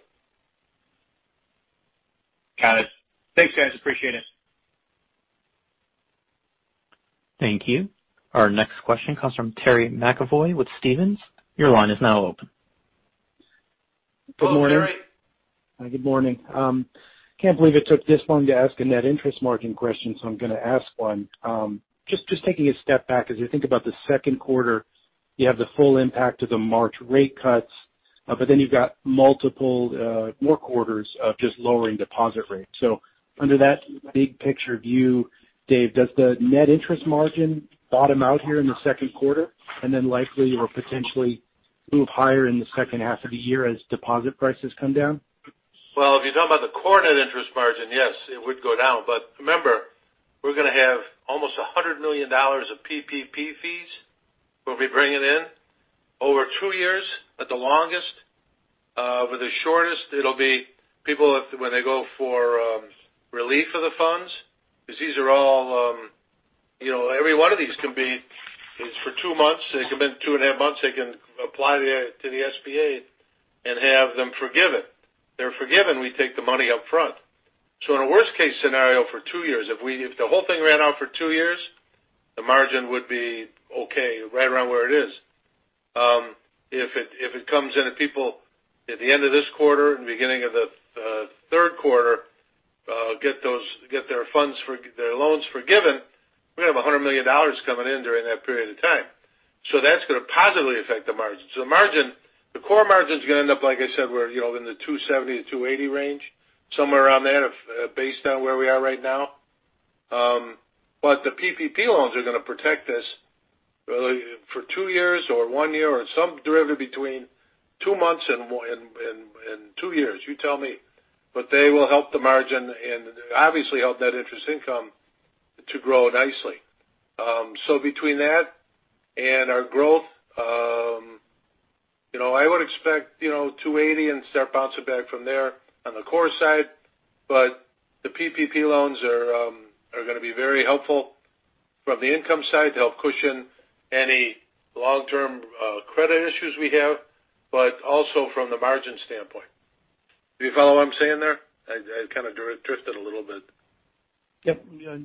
Got it. Thanks, guys. Appreciate it. Thank you. Our next question comes from Terry McEvoy with Stephens. Your line is now open. Good morning. Hi, good morning. I can't believe it took this long to ask a net interest margin question, so I'm going to ask one. Just taking a step back as you think about the second quarter, you have the full impact of the March rate cuts, but then you've got multiple more quarters of just lowering deposit rates. Under that big picture view, Dave, does the net interest margin bottom out here in the second quarter and then likely or potentially move higher in the second half of the year as deposit prices come down? Well, if you're talking about the core net interest margin, yes, it would go down. Remember, we're going to have almost $100 million of PPP fees we'll be bringing in over two years at the longest. For the shortest, it'll be people when they go for relief of the funds. Every one of these can be, it's for two months. They commit two and a half months, they can apply to the SBA and have them forgiven. They're forgiven, we take the money up front. In a worst case scenario for two years, if the whole thing ran out for two years, the margin would be okay, right around where it is. If it comes in and people at the end of this quarter and beginning of the third quarter, get their loans forgiven, we're going to have $100 million coming in during that period of time. That's going to positively affect the margin. The core margin's going to end up, like I said, in the 270-280 range, somewhere around there, based on where we are right now. The PPP loans are going to protect us for two years or one year or some derivative between two months and two years. You tell me. They will help the margin and obviously help net interest income to grow nicely. Between that and our growth, I would expect 280 and start bouncing back from there on the core side. The PPP loans are going to be very helpful from the income side to help cushion any long-term credit issues we have, but also from the margin standpoint. Do you follow what I'm saying there? I kind of drifted a little bit. Yep. I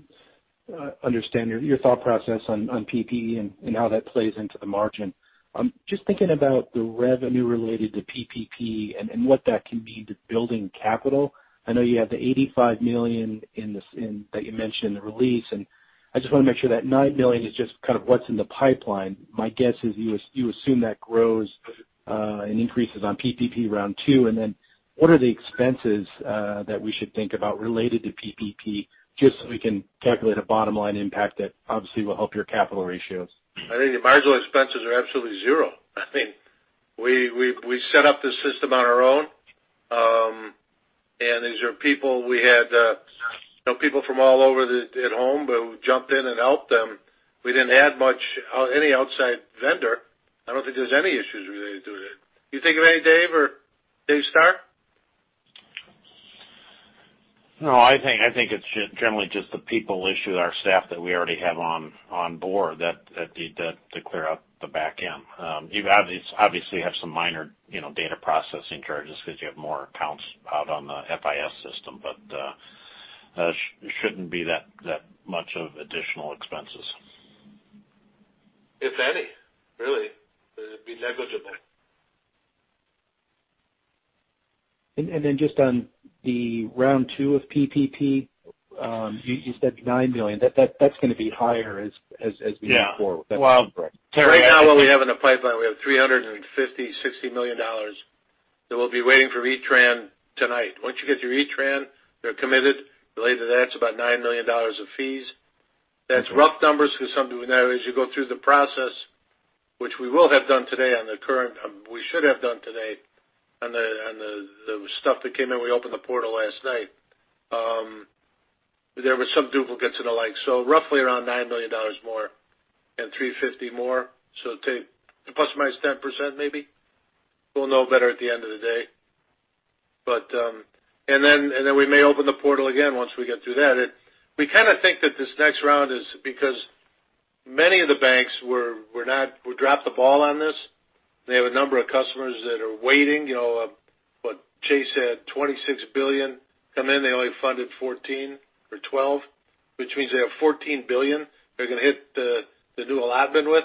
understand your thought process on PPP and how that plays into the margin. Just thinking about the revenue related to PPP and what that can mean to building capital. I know you have the $85 million that you mentioned in the release, and I just want to make sure that $9 million is just kind of what's in the pipeline. My guess is you assume that grows and increases on PPP round two. What are the expenses that we should think about related to PPP, just so we can calculate a bottom-line impact that obviously will help your capital ratios? I think the marginal expenses are absolutely zero. We set up the system on our own. These are people we had from all over at home who jumped in and helped them. We didn't add any outside vendor. I don't think there's any issues related to it. You think of any, Dave or David Dykstra? I think it's generally just the people issue, our staff that we already have on board to clear up the back end. You obviously have some minor data processing charges because you have more accounts out on the FIS system. It shouldn't be that much of additional expenses. If any, really. It'd be negligible. Just on the round two of PPP, you said $9 million. That's going to be higher as we move forward. Yeah. Well, right now what we have in the pipeline, we have $350 million, $60 million that we'll be waiting for E-Tran tonight. Once you get your E-Tran, they're committed. Related to that, it's about $9 million of fees. That's rough numbers because as you go through the process, which we will have done today on the stuff that came in, we opened the portal last night. There were some duplicates and the like. Roughly around $9 million more and $350 more. Take plus or minus 10%, maybe. We'll know better at the end of the day. Then we may open the portal again once we get through that. We kind of think that this next round is because many of the banks dropped the ball on this. They have a number of customers that are waiting. Chase had $26 billion come in. They only funded 14 or 12, which means they have $14 billion they're going to hit the new allotment with.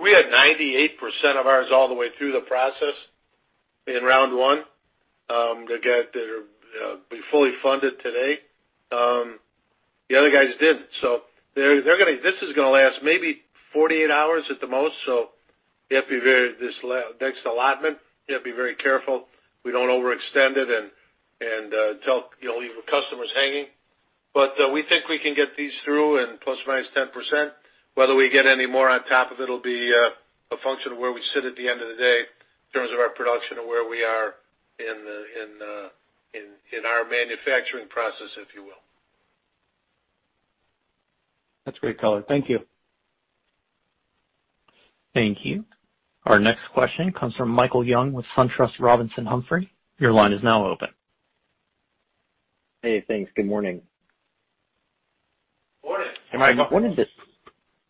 We had 98% of ours all the way through the process in round one. They'll be fully funded today. The other guys didn't. This is going to last maybe 48 hours at the most. This next allotment, you have to be very careful we don't overextend it and leave the customers hanging. We think we can get these through and ±10%. Whether we get any more on top of it will be a function of where we sit at the end of the day in terms of our production and where we are in our manufacturing process, if you will. That's great color. Thank you. Thank you. Our next question comes from Michael Young with SunTrust Robinson Humphrey. Your line is now open. Hey, thanks. Good morning. Morning.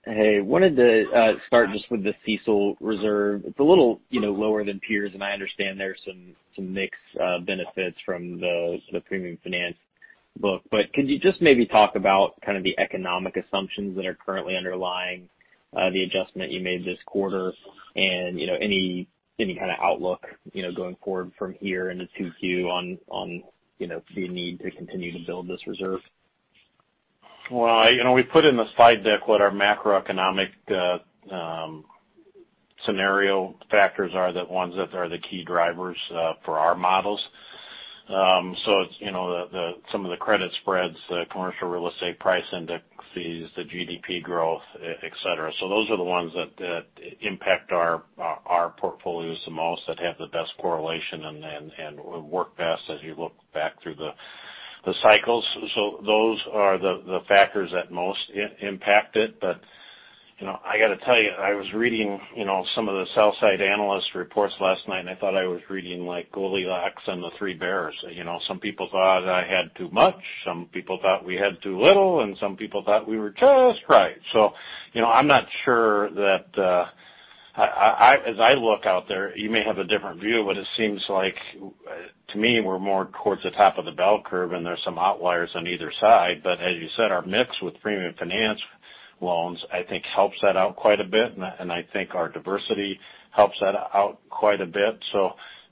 Hey, wanted to start just with the CECL reserve. It's a little lower than peers, and I understand there's some mix of benefits from the premium finance book. Could you just maybe talk about the economic assumptions that are currently underlying the adjustment you made this quarter and any kind of outlook going forward from here into Q2 on the need to continue to build this reserve? We put in the slide deck what our macroeconomic scenario factors are, the ones that are the key drivers for our models. It's some of the credit spreads, the commercial real estate price indices, the GDP growth, et cetera. Those are the ones that impact our portfolios the most, that have the best correlation and work best as you look back through the cycles. Those are the factors that most impact it. I got to tell you, I was reading some of the sell-side analyst reports last night, and I thought I was reading like Goldilocks and the three bears. Some people thought I had too much, some people thought we had too little, and some people thought we were just right. I'm not sure that as I look out there, you may have a different view, but it seems like to me we're more towards the top of the bell curve and there's some outliers on either side. As you said, our mix with premium finance loans, I think, helps that out quite a bit, and I think our diversity helps that out quite a bit.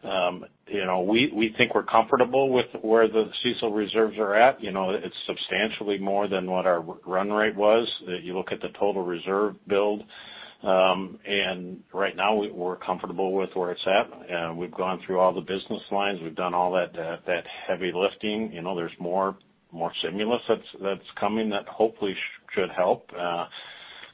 We think we're comfortable with where the CECL reserves are at. It's substantially more than what our run rate was. You look at the total reserve build, and right now we're comfortable with where it's at, and we've gone through all the business lines. We've done all that heavy lifting. There's more stimulus that's coming that hopefully should help,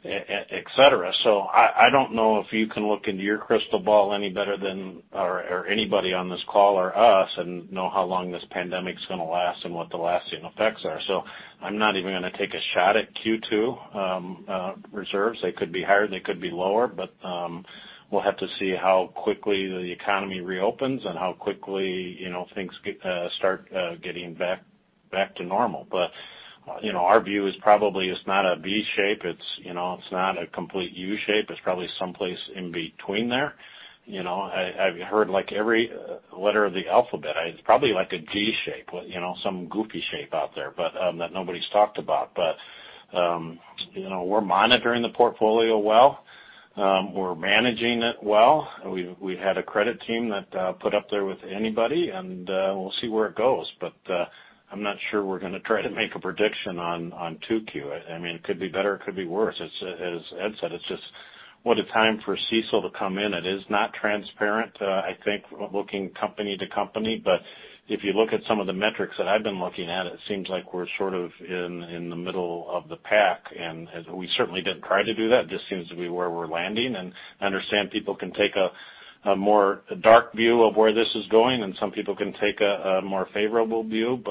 et cetera. I don't know if you can look into your crystal ball any better than, or anybody on this call or us, and know how long this pandemic's going to last and what the lasting effects are. I'm not even going to take a shot at Q2 reserves. They could be higher, they could be lower. We'll have to see how quickly the economy reopens and how quickly things start getting back to normal. Our view is probably, it's not a V shape, it's not a complete U shape. It's probably someplace in between there. I've heard like every letter of the alphabet. It's probably like a G shape, some goofy shape out there, but that nobody's talked about. We're monitoring the portfolio well. We're managing it well. We had a credit team that put up there with anybody and we'll see where it goes. I'm not sure we're going to try to make a prediction on Q2. It could be better, it could be worse. As Ed said, it's just what a time for CECL to come in. It is not transparent, I think, looking company to company. If you look at some of the metrics that I've been looking at, it seems like we're sort of in the middle of the pack, and we certainly didn't try to do that. Just seems to be where we're landing. I understand people can take a more dark view of where this is going, and some people can take a more favorable view.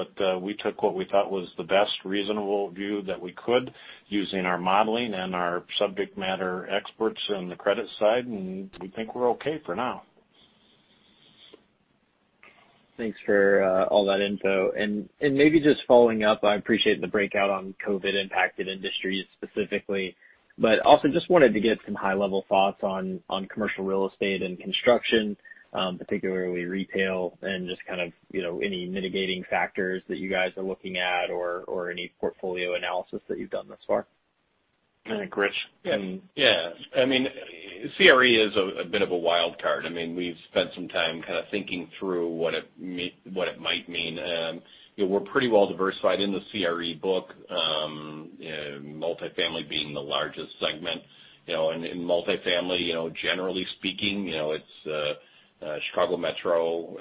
We took what we thought was the best reasonable view that we could using our modeling and our subject matter experts on the credit side, and we think we're okay for now. Thanks for all that info. Maybe just following up, I appreciate the breakout on COVID impacted industries specifically. Also just wanted to get some high-level thoughts on commercial real estate and construction, particularly retail, and just any mitigating factors that you guys are looking at or any portfolio analysis that you've done thus far. Rich? Yeah. CRE is a bit of a wild card. We've spent some time kind of thinking through what it might mean. We're pretty well diversified in the CRE book. Multifamily being the largest segment. In multifamily, generally speaking, it's Chicago Metro.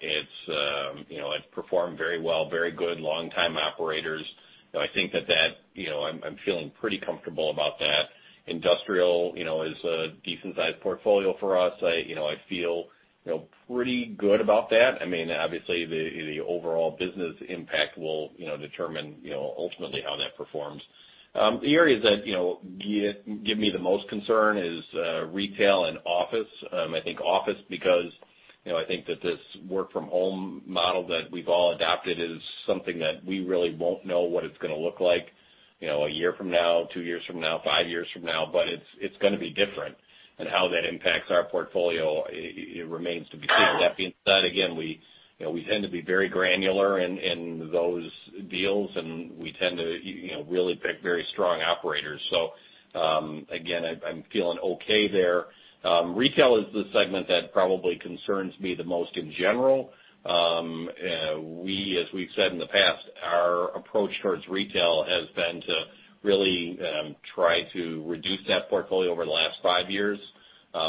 It's performed very well, very good long time operators. I'm feeling pretty comfortable about that. Industrial is a decent sized portfolio for us. I feel pretty good about that. Obviously, the overall business impact will determine ultimately how that performs. The areas that give me the most concern is retail and office. I think office because I think that this work from home model that we've all adopted is something that we really won't know what it's going to look like a year from now, two years from now, five years from now. It's going to be different. How that impacts our portfolio, it remains to be seen. That being said, again, we tend to be very granular in those deals, and we tend to really pick very strong operators. Again, I'm feeling okay there. Retail is the segment that probably concerns me the most in general. As we've said in the past, our approach towards retail has been to really try to reduce that portfolio over the last five years,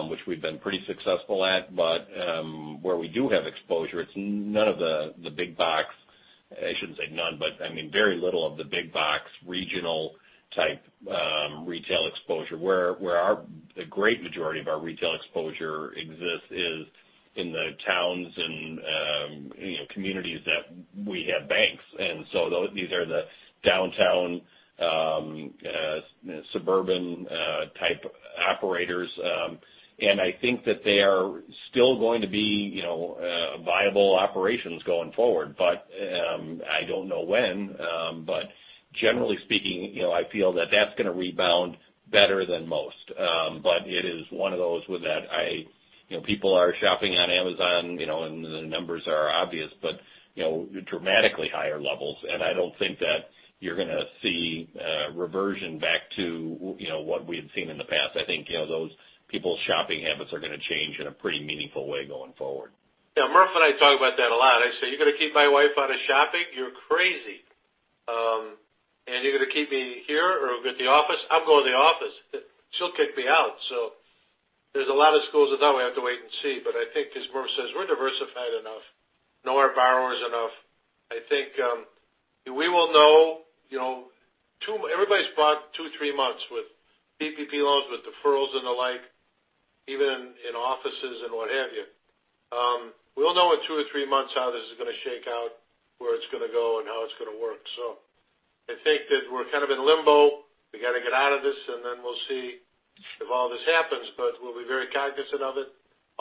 which we've been pretty successful at. Where we do have exposure, it's none of the big box. I shouldn't say none, but very little of the big box regional type retail exposure. Where the great majority of our retail exposure exists is in the towns and communities that we have banks. These are the downtown suburban type operators. I think that they are still going to be viable operations going forward. I don't know when. Generally speaking, I feel that that's going to rebound better than most. It is one of those where people are shopping on Amazon, and the numbers are obvious, but dramatically higher levels. I don't think that you're going to see a reversion back to what we had seen in the past. I think those people's shopping habits are going to change in a pretty meaningful way going forward. Yeah. Murphy and I talk about that a lot. I say, "You're going to keep my wife out of shopping? You're crazy. And you're going to keep me here or at the office? I'm going to the office. She'll kick me out." There's a lot of schools of thought. We have to wait and see. I think, as Murphy says, we're diversified enough, know our borrowers enough. I think we will know, everybody's bought two, three months with PPP loans, with deferrals and the like, even in offices and what have you. We'll know in two to three months how this is going to shake out, where it's going to go, and how it's going to work. I think that we're kind of in limbo. We got to get out of this, and then we'll see if all this happens, but we'll be very cognizant of it.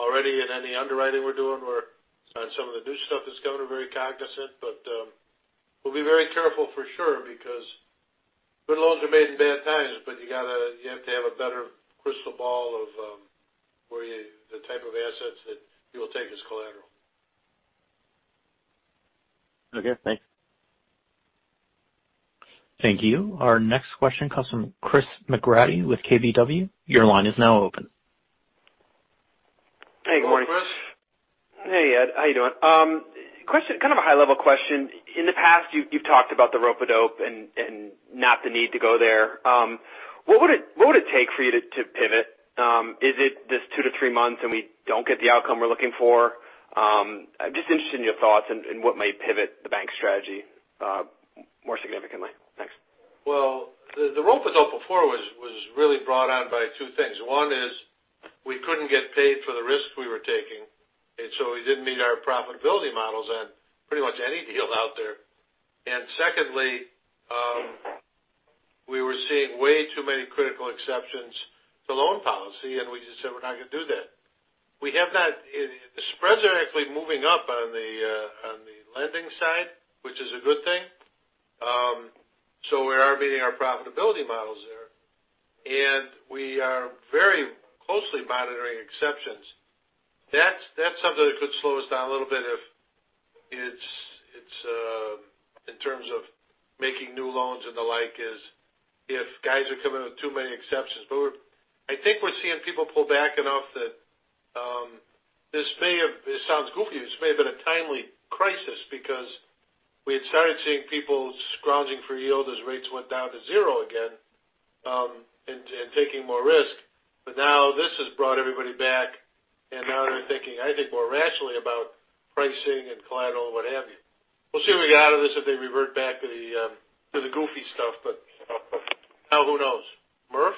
Already in any underwriting we're doing or on some of the new stuff that's coming, we're very cognizant. We'll be very careful for sure, because good loans are made in bad times, but you have to have a better crystal ball of the type of assets that you will take as collateral. Okay. Thanks. Thank you. Our next question comes from Chris McGratty with KBW. Your line is now open. Hello, Chris. Hey, Ed. How you doing? Kind of a high-level question. In the past, you've talked about the rope-a-dope and not the need to go there. What would it take for you to pivot? Is it this two to three months, and we don't get the outcome we're looking for? I'm just interested in your thoughts and what may pivot the bank strategy more significantly. Thanks. Well, the rope-a-dope before was really brought on by two things. One is we couldn't get paid for the risks we were taking, and so we didn't meet our profitability models on pretty much any deal out there. Secondly, we were seeing way too many critical exceptions to loan policy, and we just said, "We're not going to do that." The spreads are actually moving up on the lending side, which is a good thing. We are meeting our profitability models there. We are very closely monitoring exceptions. That's something that could slow us down a little bit in terms of making new loans and the like is if guys are coming with too many exceptions. I think we're seeing people pull back enough that, this sounds goofy, this may have been a timely crisis because we had started seeing people scrounging for yield as rates went down to zero again, and taking more risk. Now this has brought everybody back, and now they're thinking, I think, more rationally about pricing and collateral, and what have you. We'll see when we get out of this if they revert back to the goofy stuff. Who knows. Murphy.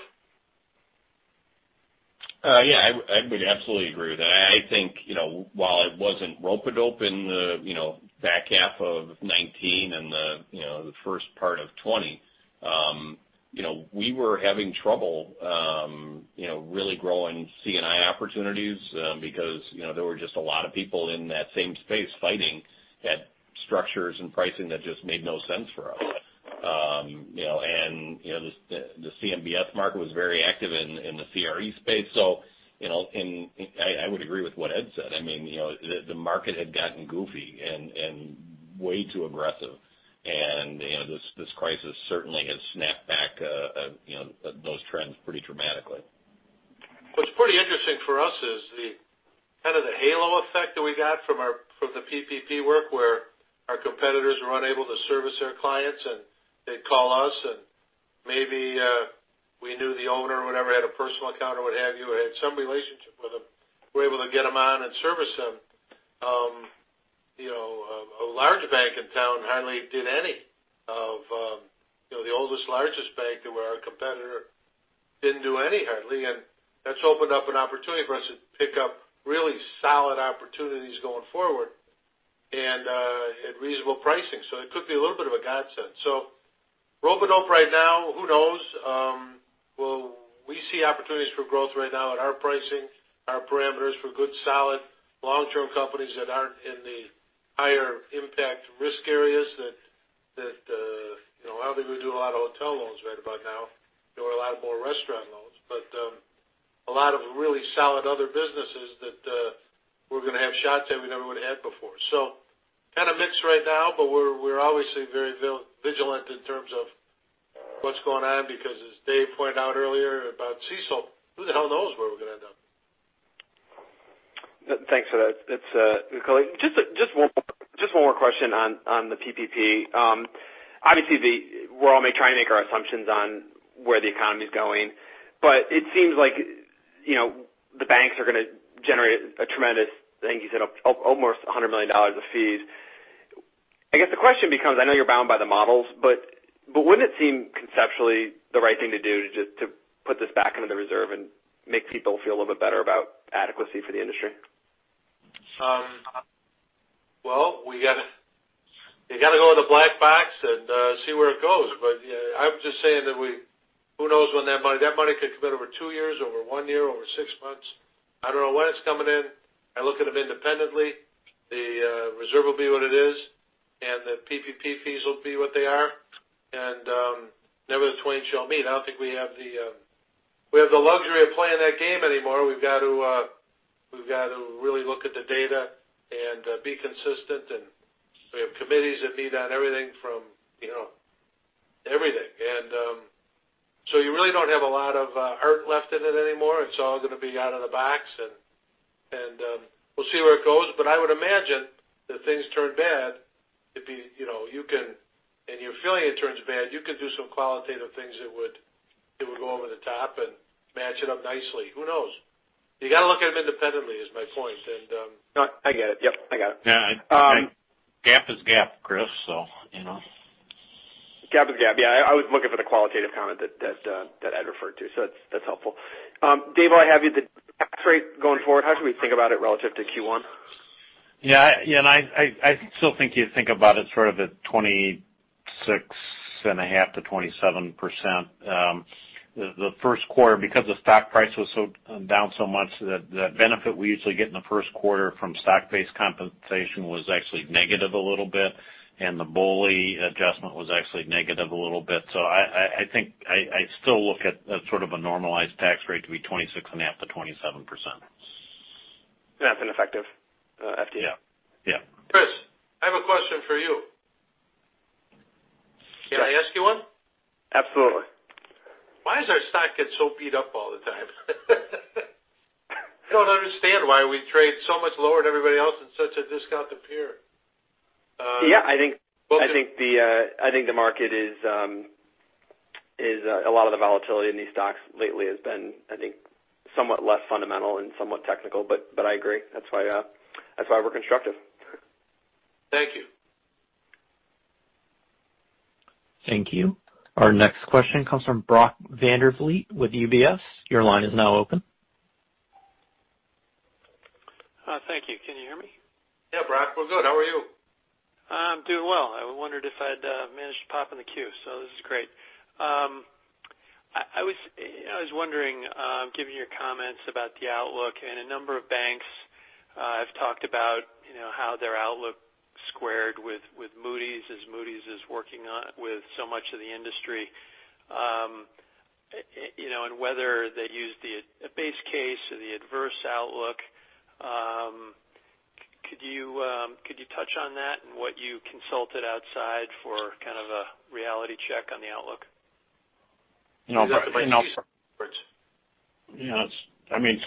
Yeah, I would absolutely agree with that. I think, while it wasn't rope-a-dope in the back half of 2019 and the first part of 2020, we were having trouble really growing C&I opportunities because there were just a lot of people in that same space fighting at structures and pricing that just made no sense for us. The CMBS market was very active in the CRE space. I would agree with what Ed said. The market had gotten goofy and way too aggressive. This crisis certainly has snapped back those trends pretty dramatically. What's pretty interesting for us is kind of the halo effect that we got from the PPP work, where our competitors were unable to service their clients, and they'd call us, and maybe we knew the owner or whatever, had a personal account or what have you, or had some relationship with them. We were able to get them on and service them. A large bank in town hardly did any. The oldest, largest bank who are our competitor didn't do any hardly. That's opened up an opportunity for us to pick up really solid opportunities going forward and at reasonable pricing. It could be a little bit of a godsend. Rope-a-dope right now, who knows? We see opportunities for growth right now at our pricing, our parameters for good, solid, long-term companies that aren't in the higher impact risk areas. I don't think we'll do a lot of hotel loans right about now, nor a lot more restaurant loans. A lot of really solid other businesses that we're going to have shots at we never would've had before. Kind of mixed right now, but we're obviously very vigilant in terms of what's going on because as Dave pointed out earlier about CECL, who the hell knows where we're going to end up? Thanks for that. Just one more question on the PPP. Obviously, we're all trying to make our assumptions on where the economy is going, it seems like the banks are going to generate a tremendous thing. You said almost $100 million of fees. I guess the question becomes, I know you're bound by the models, wouldn't it seem conceptually the right thing to do to just put this back into the reserve and make people feel a little bit better about adequacy for the industry? Well, you got to go with the black box and see where it goes. I'm just saying that we. Who knows when that money, that money could come in over two years, over one year, over six months. I don't know when it's coming in. I look at them independently. The reserve will be what it is, and the PPP fees will be what they are. Never the twain shall meet. I don't think we have the luxury of playing that game anymore. We've got to really look at the data and be consistent, and we have committees that meet on everything from, everything. You really don't have a lot of hurt left in it anymore. It's all going to be out of the box and we'll see where it goes. I would imagine if things turn bad, and your affiliate turns bad, you could do some qualitative things that would go over the top and match it up nicely. Who knows? You got to look at them independently is my point. No, I get it. Yep. I got it. Yeah. GAAP is GAAP, Chris. GAAP is GAAP. Yeah, I was looking for the qualitative comment that Ed referred to. That's helpful. Dave, while I have you, the tax rate going forward, how should we think about it relative to Q1? Yeah. I still think you think about it sort of at 26.5%-27%. The first quarter, because the stock price was down so much, that benefit we usually get in the first quarter from stock-based compensation was actually negative a little bit, and the BOLI adjustment was actually negative a little bit. I still look at sort of a normalized tax rate to be 26.5%-27%. That's an effective FD? Yeah. Chris, I have a question for you. Can I ask you one? Absolutely. Why does our stock get so beat up all the time? I don't understand why we trade so much lower than everybody else and such a discount to peer. Yeah. I think the market is, a lot of the volatility in these stocks lately has been, I think, somewhat less fundamental and somewhat technical. I agree. That's why we're constructive. Thank you. Thank you. Our next question comes from Brock Vandervliet with UBS. Your line is now open. Thank you. Can you hear me? Yeah, Brock, we're good. How are you? I'm doing well. I wondered if I'd managed to pop in the queue. This is great. I was wondering, given your comments about the outlook, a number of banks have talked about how their outlook squared with Moody's as Moody's is working with so much of the industry. Whether they use the base case or the adverse outlook. Could you touch on that and what you consulted outside for kind of a reality check on the outlook? I mean,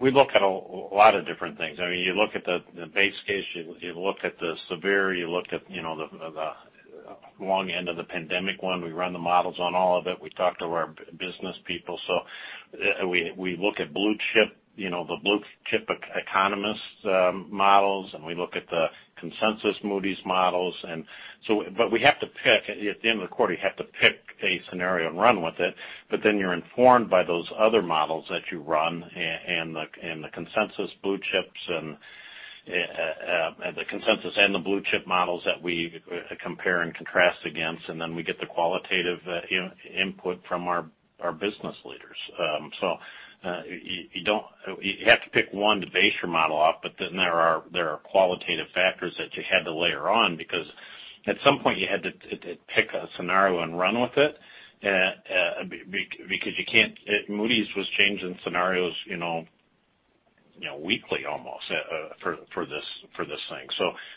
we look at a lot of different things. You look at the base case, you look at the severe, you look at the long end of the pandemic one. We run the models on all of it. We talk to our business people. We look at the blue-chip economist models, and we look at the consensus Moody's models. We have to pick, at the end of the quarter, you have to pick a scenario and run with it, but then you're informed by those other models that you run and the consensus blue chips and the consensus and the blue-chip models that we compare and contrast against, and then we get the qualitative input from our business leaders. You have to pick one to base your model off, but then there are qualitative factors that you had to layer on because at some point you had to pick a scenario and run with it because Moody's was changing scenarios weekly almost for this thing.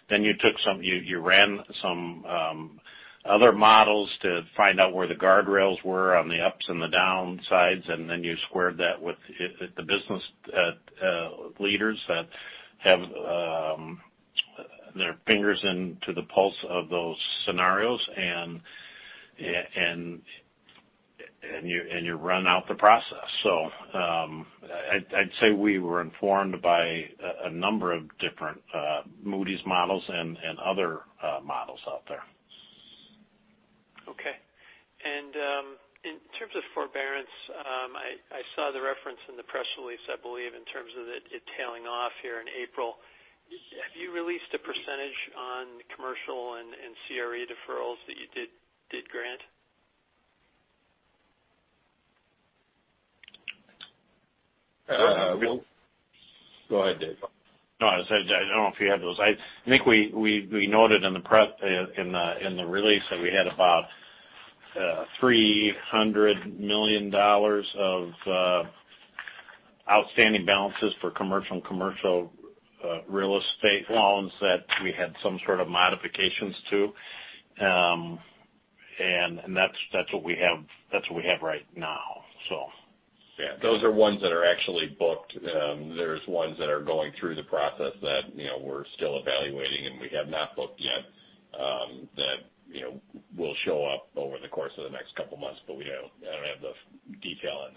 Then you ran some other models to find out where the guardrails were on the ups and the down sides, and then you squared that with the business leaders that have their fingers into the pulse of those scenarios, and you run out the process. I'd say we were informed by a number of different Moody's models and other models out there. Okay. In terms of forbearance, I saw the reference in the press release, I believe, in terms of it tailing off here in April. Have you released a % on commercial and CRE deferrals that you did grant? Go ahead, Dave. No, I don't know if you have those. I think we noted in the release that we had about $300 million of outstanding balances for commercial and commercial real estate loans that we had some sort of modifications to. That's what we have right now. Yeah. Those are ones that are actually booked. There's ones that are going through the process that we're still evaluating, and we have not booked yet that will show up over the course of the next couple of months. I don't have the detail on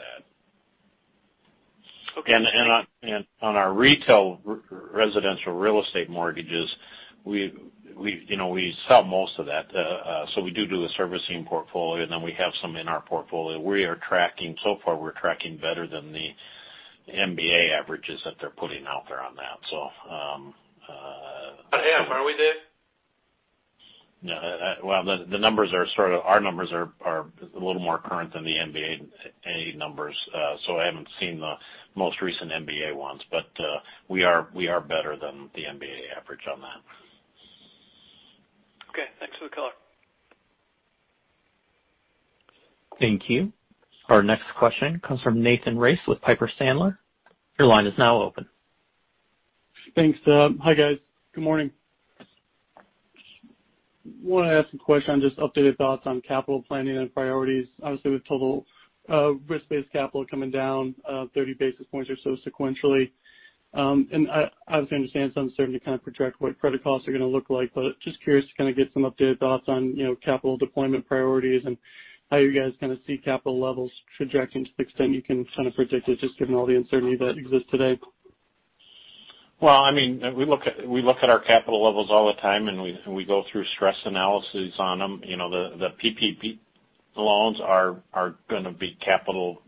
that. Okay. On our retail residential real estate mortgages, we sell most of that. We do a servicing portfolio, and then we have some in our portfolio. So far we're tracking better than the MBA averages that they're putting out there on that. About half, aren't we, Dave? Our numbers are a little more current than the MBA numbers. I haven't seen the most recent MBA ones. We are better than the MBA average on that. Okay. Thanks for the color. Thank you. Our next question comes from Nathan Race with Piper Sandler. Your line is now open. Thanks. Hi, guys. Good morning. Wanted to ask a question, just updated thoughts on capital planning and priorities, obviously, with total risk-based capital coming down 30 basis points or so sequentially. Obviously, I understand it's uncertainty to kind of project what credit costs are going to look like, but just curious to kind of get some updated thoughts on capital deployment priorities and how you guys kind of see capital levels trajecting to the extent you can kind of predict it, just given all the uncertainty that exists today. Well, we look at our capital levels all the time, and we go through stress analysis on them. The PPP loans are going to be capital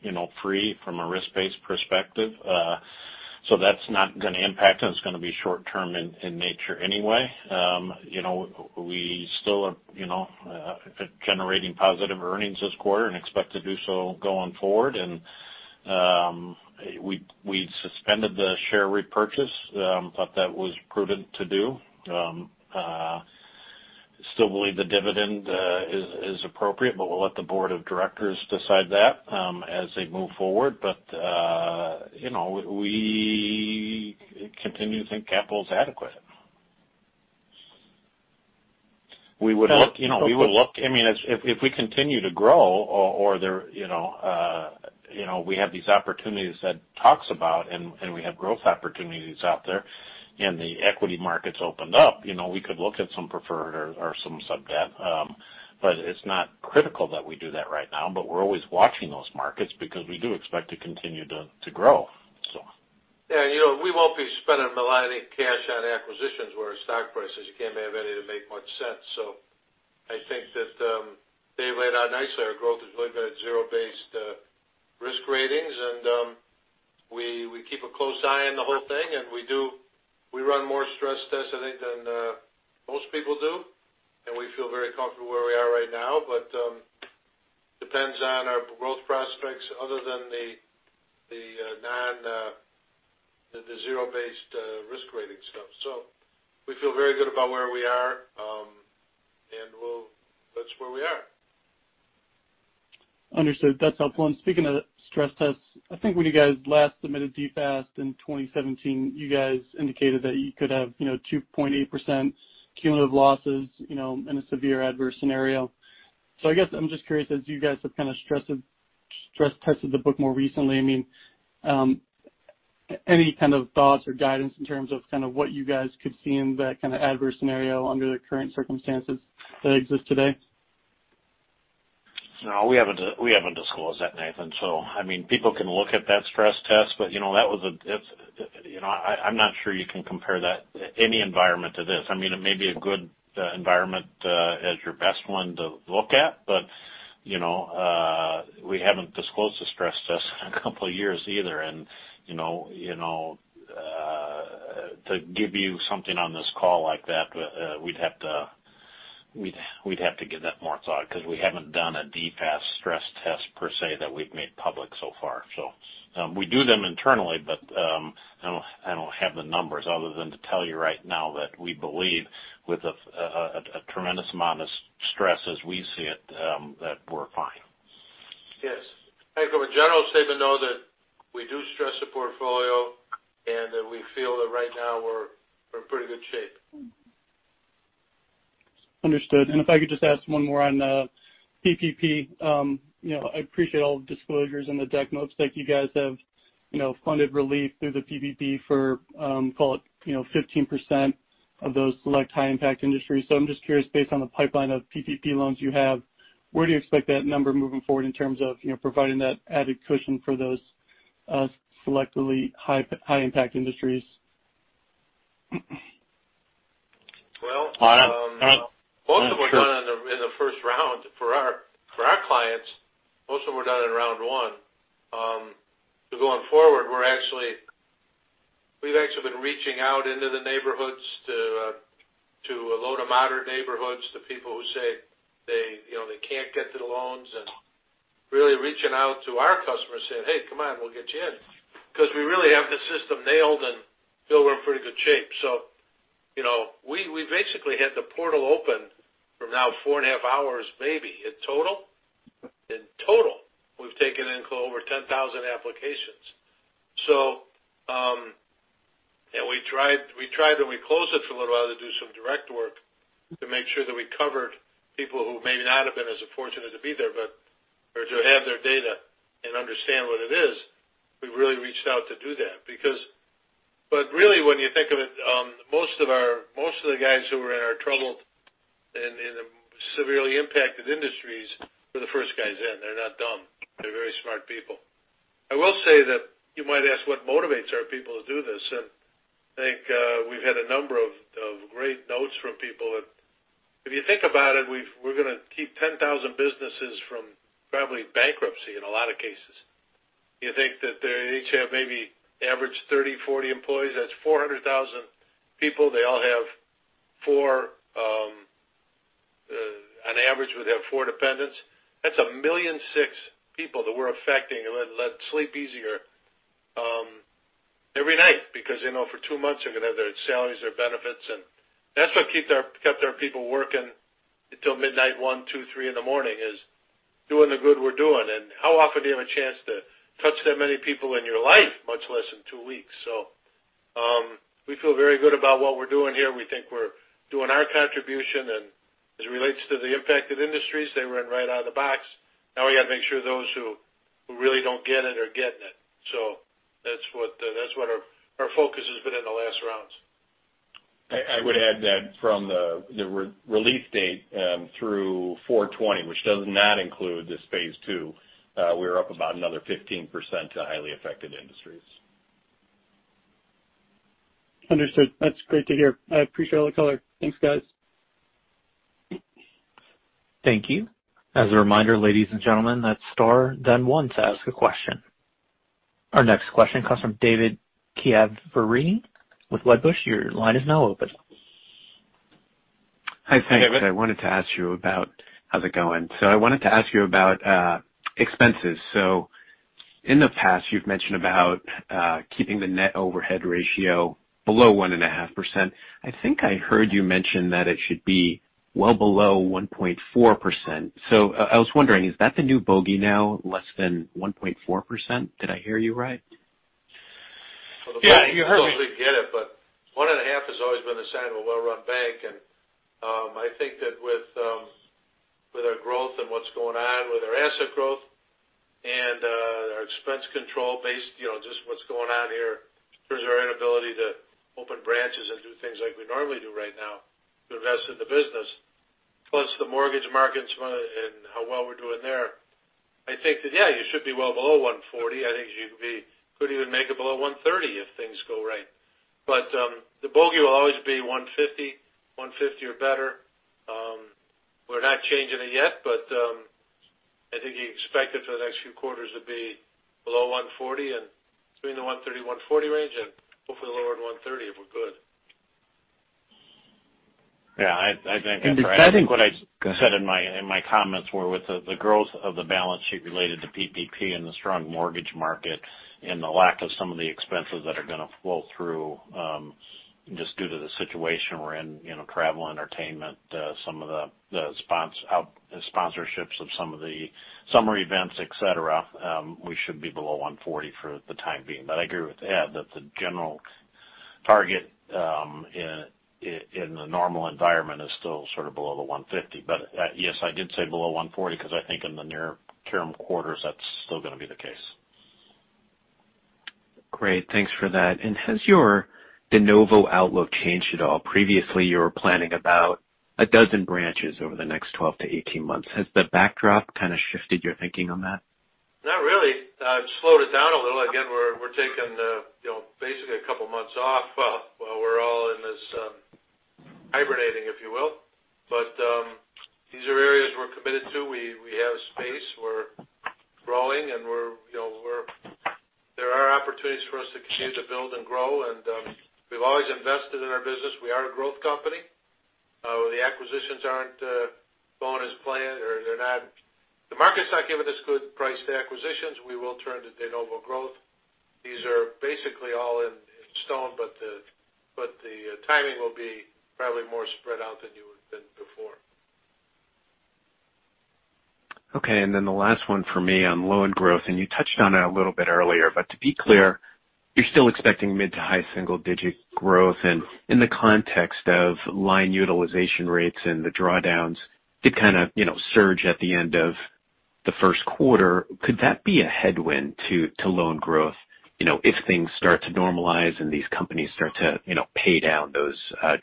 free from a risk-based perspective. That's not going to impact us. It's going to be short-term in nature anyway. We still are generating positive earnings this quarter and expect to do so going forward. We'd suspended the share repurchase, thought that was prudent to do. Still believe the dividend is appropriate, but we'll let the board of directors decide that as they move forward. We continue to think capital is adequate. If we continue to grow or we have these opportunities that talks about and we have growth opportunities out there and the equity markets opened up, we could look at some preferred or some sub-debt. It's not critical that we do that right now, but we're always watching those markets because we do expect to continue to grow. Yeah, we won't be spending a lot of cash on acquisitions where our stock prices, you can't have any to make much sense. I think that Dave laid out nicely. Our growth has really been at zero-based risk ratings, and we keep a close eye on the whole thing, and we run more stress tests, I think, than most people do, and we feel very comfortable where we are right now. depends on our growth prospects other than the zero-based risk rating stuff. We feel very good about where we are, and that's where we are. Understood. That's helpful. Speaking of the stress tests, I think when you guys last submitted DFAST in 2017, you guys indicated that you could have 2.8% cumulative losses in a severe adverse scenario. I guess I'm just curious, as you guys have kind of stress tested the book more recently, any kind of thoughts or guidance in terms of kind of what you guys could see in that kind of adverse scenario under the current circumstances that exist today? We haven't disclosed that, Nathan. People can look at that stress test. I'm not sure you can compare any environment to this. It may be a good environment as your best one to look at. We haven't disclosed a stress test in a couple of years either. To give you something on this call like that, we'd have to give that more thought because we haven't done a DFAST stress test per se that we've made public so far. We do them internally. I don't have the numbers other than to tell you right now that we believe with a tremendous amount of stress as we see it, that we're fine. Yes. I think from a general statement, though, that we do stress the portfolio, and that we feel that right now we're in pretty good shape. Understood. If I could just ask one more on PPP. I appreciate all the disclosures in the deck notes that you guys have funded relief through the PPP for call it 15% of those select high impact industries. I'm just curious, based on the pipeline of PPP loans you have, where do you expect that number moving forward in terms of providing that added cushion for those selectively high impact industries? Well- I- Most of them are done in the first round for our clients. Most of them are done in round one. Going forward, we've actually been reaching out into the neighborhoods to low-to-moderate neighborhoods, to people who say they can't get the loans and really reaching out to our customers saying, "Hey, come on, we'll get you in." We really have the system nailed and feel we're in pretty good shape. We basically had the portal open from now four and a half hours maybe in total. In total, we've taken in well over 10,000 applications. We tried when we closed it for a little while to do some direct work to make sure that we covered people who may not have been as fortunate to be there, or to have their data and understand what it is. We've really reached out to do that. Really, when you think of it, most of the guys who were in our troubled and in the severely impacted industries were the first guys in. They're not dumb. They're very smart people. I will say that you might ask what motivates our people to do this, and I think we've had a number of great notes from people. If you think about it, we're going to keep 10,000 businesses from probably bankruptcy in a lot of cases. You think that they each have maybe average 30, 40 employees. That's 400,000 people. They all have, on average, would have four dependents. That's 1.6 million people that we're affecting and that sleep easier every night because for two months they're going to have their salaries, their benefits. That's what kept our people working until midnight, 1:00 A.M., 2:00 A.M., 3:00 A.M. in the morning, is doing the good we're doing. How often do you have a chance to touch that many people in your life, much less in two weeks? We feel very good about what we're doing here. We think we're doing our contribution, and as it relates to the impacted industries, they ran right out of the box. Now we got to make sure those who really don't get it are getting it. That's what our focus has been in the last rounds. I would add that from the release date through 4/20, which does not include this phase II, we're up about another 15% to highly affected industries. Understood. That's great to hear. I appreciate all the color. Thanks, guys. Thank you. As a reminder, ladies and gentlemen, that's star then one to ask a question. Our next question comes from David Chiaverini with Wedbush. Your line is now open. Hi. Thanks. Hi, David. How's it going? I wanted to ask you about expenses. In the past, you've mentioned about keeping the net overhead ratio below 1.5%. I think I heard you mention that it should be well below 1.4%. I was wondering, is that the new bogey now, less than 1.4%? Did I hear you right? Yeah, you heard me. Well, the market supposedly get it. 1.5 has always been the sign of a well-run bank. I think that with our growth and what's going on with our asset growth and our expense control based, just what's going on here's our inability to open branches and do things like we normally do right now to invest in the business. The mortgage markets and how well we're doing there. I think that, yeah, you should be well below 140. I think you could even make it below 130 if things go right. The bogey will always be 150 or better. We're not changing it yet, but I think you expect it for the next few quarters to be below 140 and between the 130-140 range and hopefully lower than 130 if we're good. Yeah. I think. And I think- I think what I said- Go ahead. in my comments were with the growth of the balance sheet related to PPP and the strong mortgage market and the lack of some of the expenses that are going to flow through just due to the situation we're in, travel, entertainment, some of the sponsorships of some of the summer events, et cetera. We should be below 140 for the time being. I agree with Ed that the general target in the normal environment is still sort of below the 150. Yes, I did say below 140 because I think in the near term quarters, that's still going to be the case. Great. Thanks for that. Has your de novo outlook changed at all? Previously, you were planning about 12 branches over the next 12-18 months. Has the backdrop kind of shifted your thinking on that? Not really. Slowed it down a little. Again, we're taking basically a couple of months off while we're all in this hibernating, if you will. These are areas we're committed to. We have space. We're growing, and there are opportunities for us to continue to build and grow, and we've always invested in our business. We are a growth company. The acquisitions aren't going as planned, or the market's not giving us good priced acquisitions. We will turn to de novo growth. These are basically all in stone, but the timing will be probably more spread out than before. Okay, the last one for me on loan growth, and you touched on it a little bit earlier, but to be clear, you're still expecting mid to high single-digit growth. In the context of line utilization rates and the drawdowns did kind of surge at the end of the first quarter. Could that be a headwind to loan growth if things start to normalize and these companies start to pay down those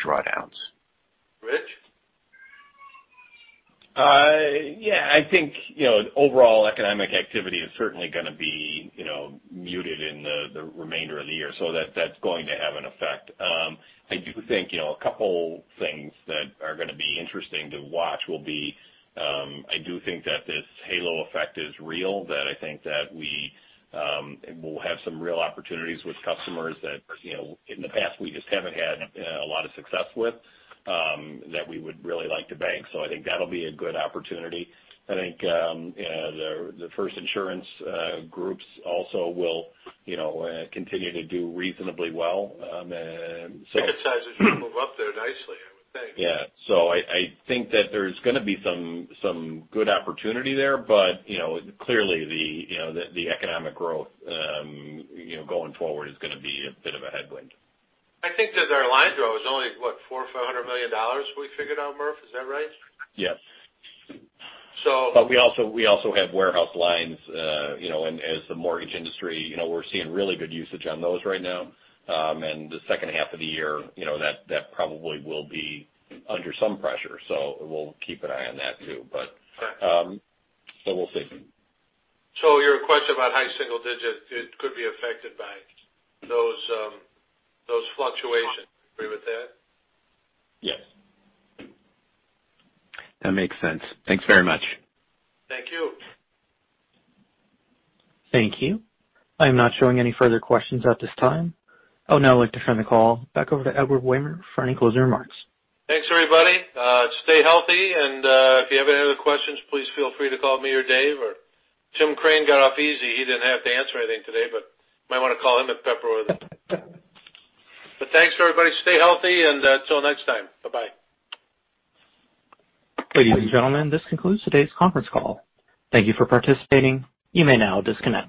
drawdowns? Rich? Yeah, I think overall economic activity is certainly going to be muted in the remainder of the year. That's going to have an effect. I do think a couple things that are going to be interesting to watch will be, I do think that this halo effect is real, that I think that we will have some real opportunities with customers that in the past we just haven't had a lot of success with, that we would really like to bank. I think that'll be a good opportunity. I think the first insurance groups also will continue to do reasonably well. Appetizers move up there nicely, I would think. Yeah. I think that there's going to be some good opportunity there. Clearly the economic growth going forward is going to be a bit of a headwind. I think that our line draw is only, what, $400 million or $500 million we figured out, Murphy, is that right? Yes. So- We also have warehouse lines as the mortgage industry. We're seeing really good usage on those right now. The second half of the year that probably will be under some pressure. We'll keep an eye on that, too. Right We'll see. Your question about high single digit, it could be affected by those fluctuations. Agree with that? Yes. That makes sense. Thanks very much. Thank you. Thank you. I'm not showing any further questions at this time. I would now like to turn the call back over to Edward Wehmer for any closing remarks. Thanks, everybody. Stay healthy. If you have any other questions, please feel free to call me or Dave. Timothy Crane got off easy. He didn't have to answer anything today. You might want to call him and pepper him with it. Thanks, everybody. Stay healthy. Till next time. Bye-bye. Ladies and gentlemen, this concludes today's conference call. Thank you for participating. You may now disconnect.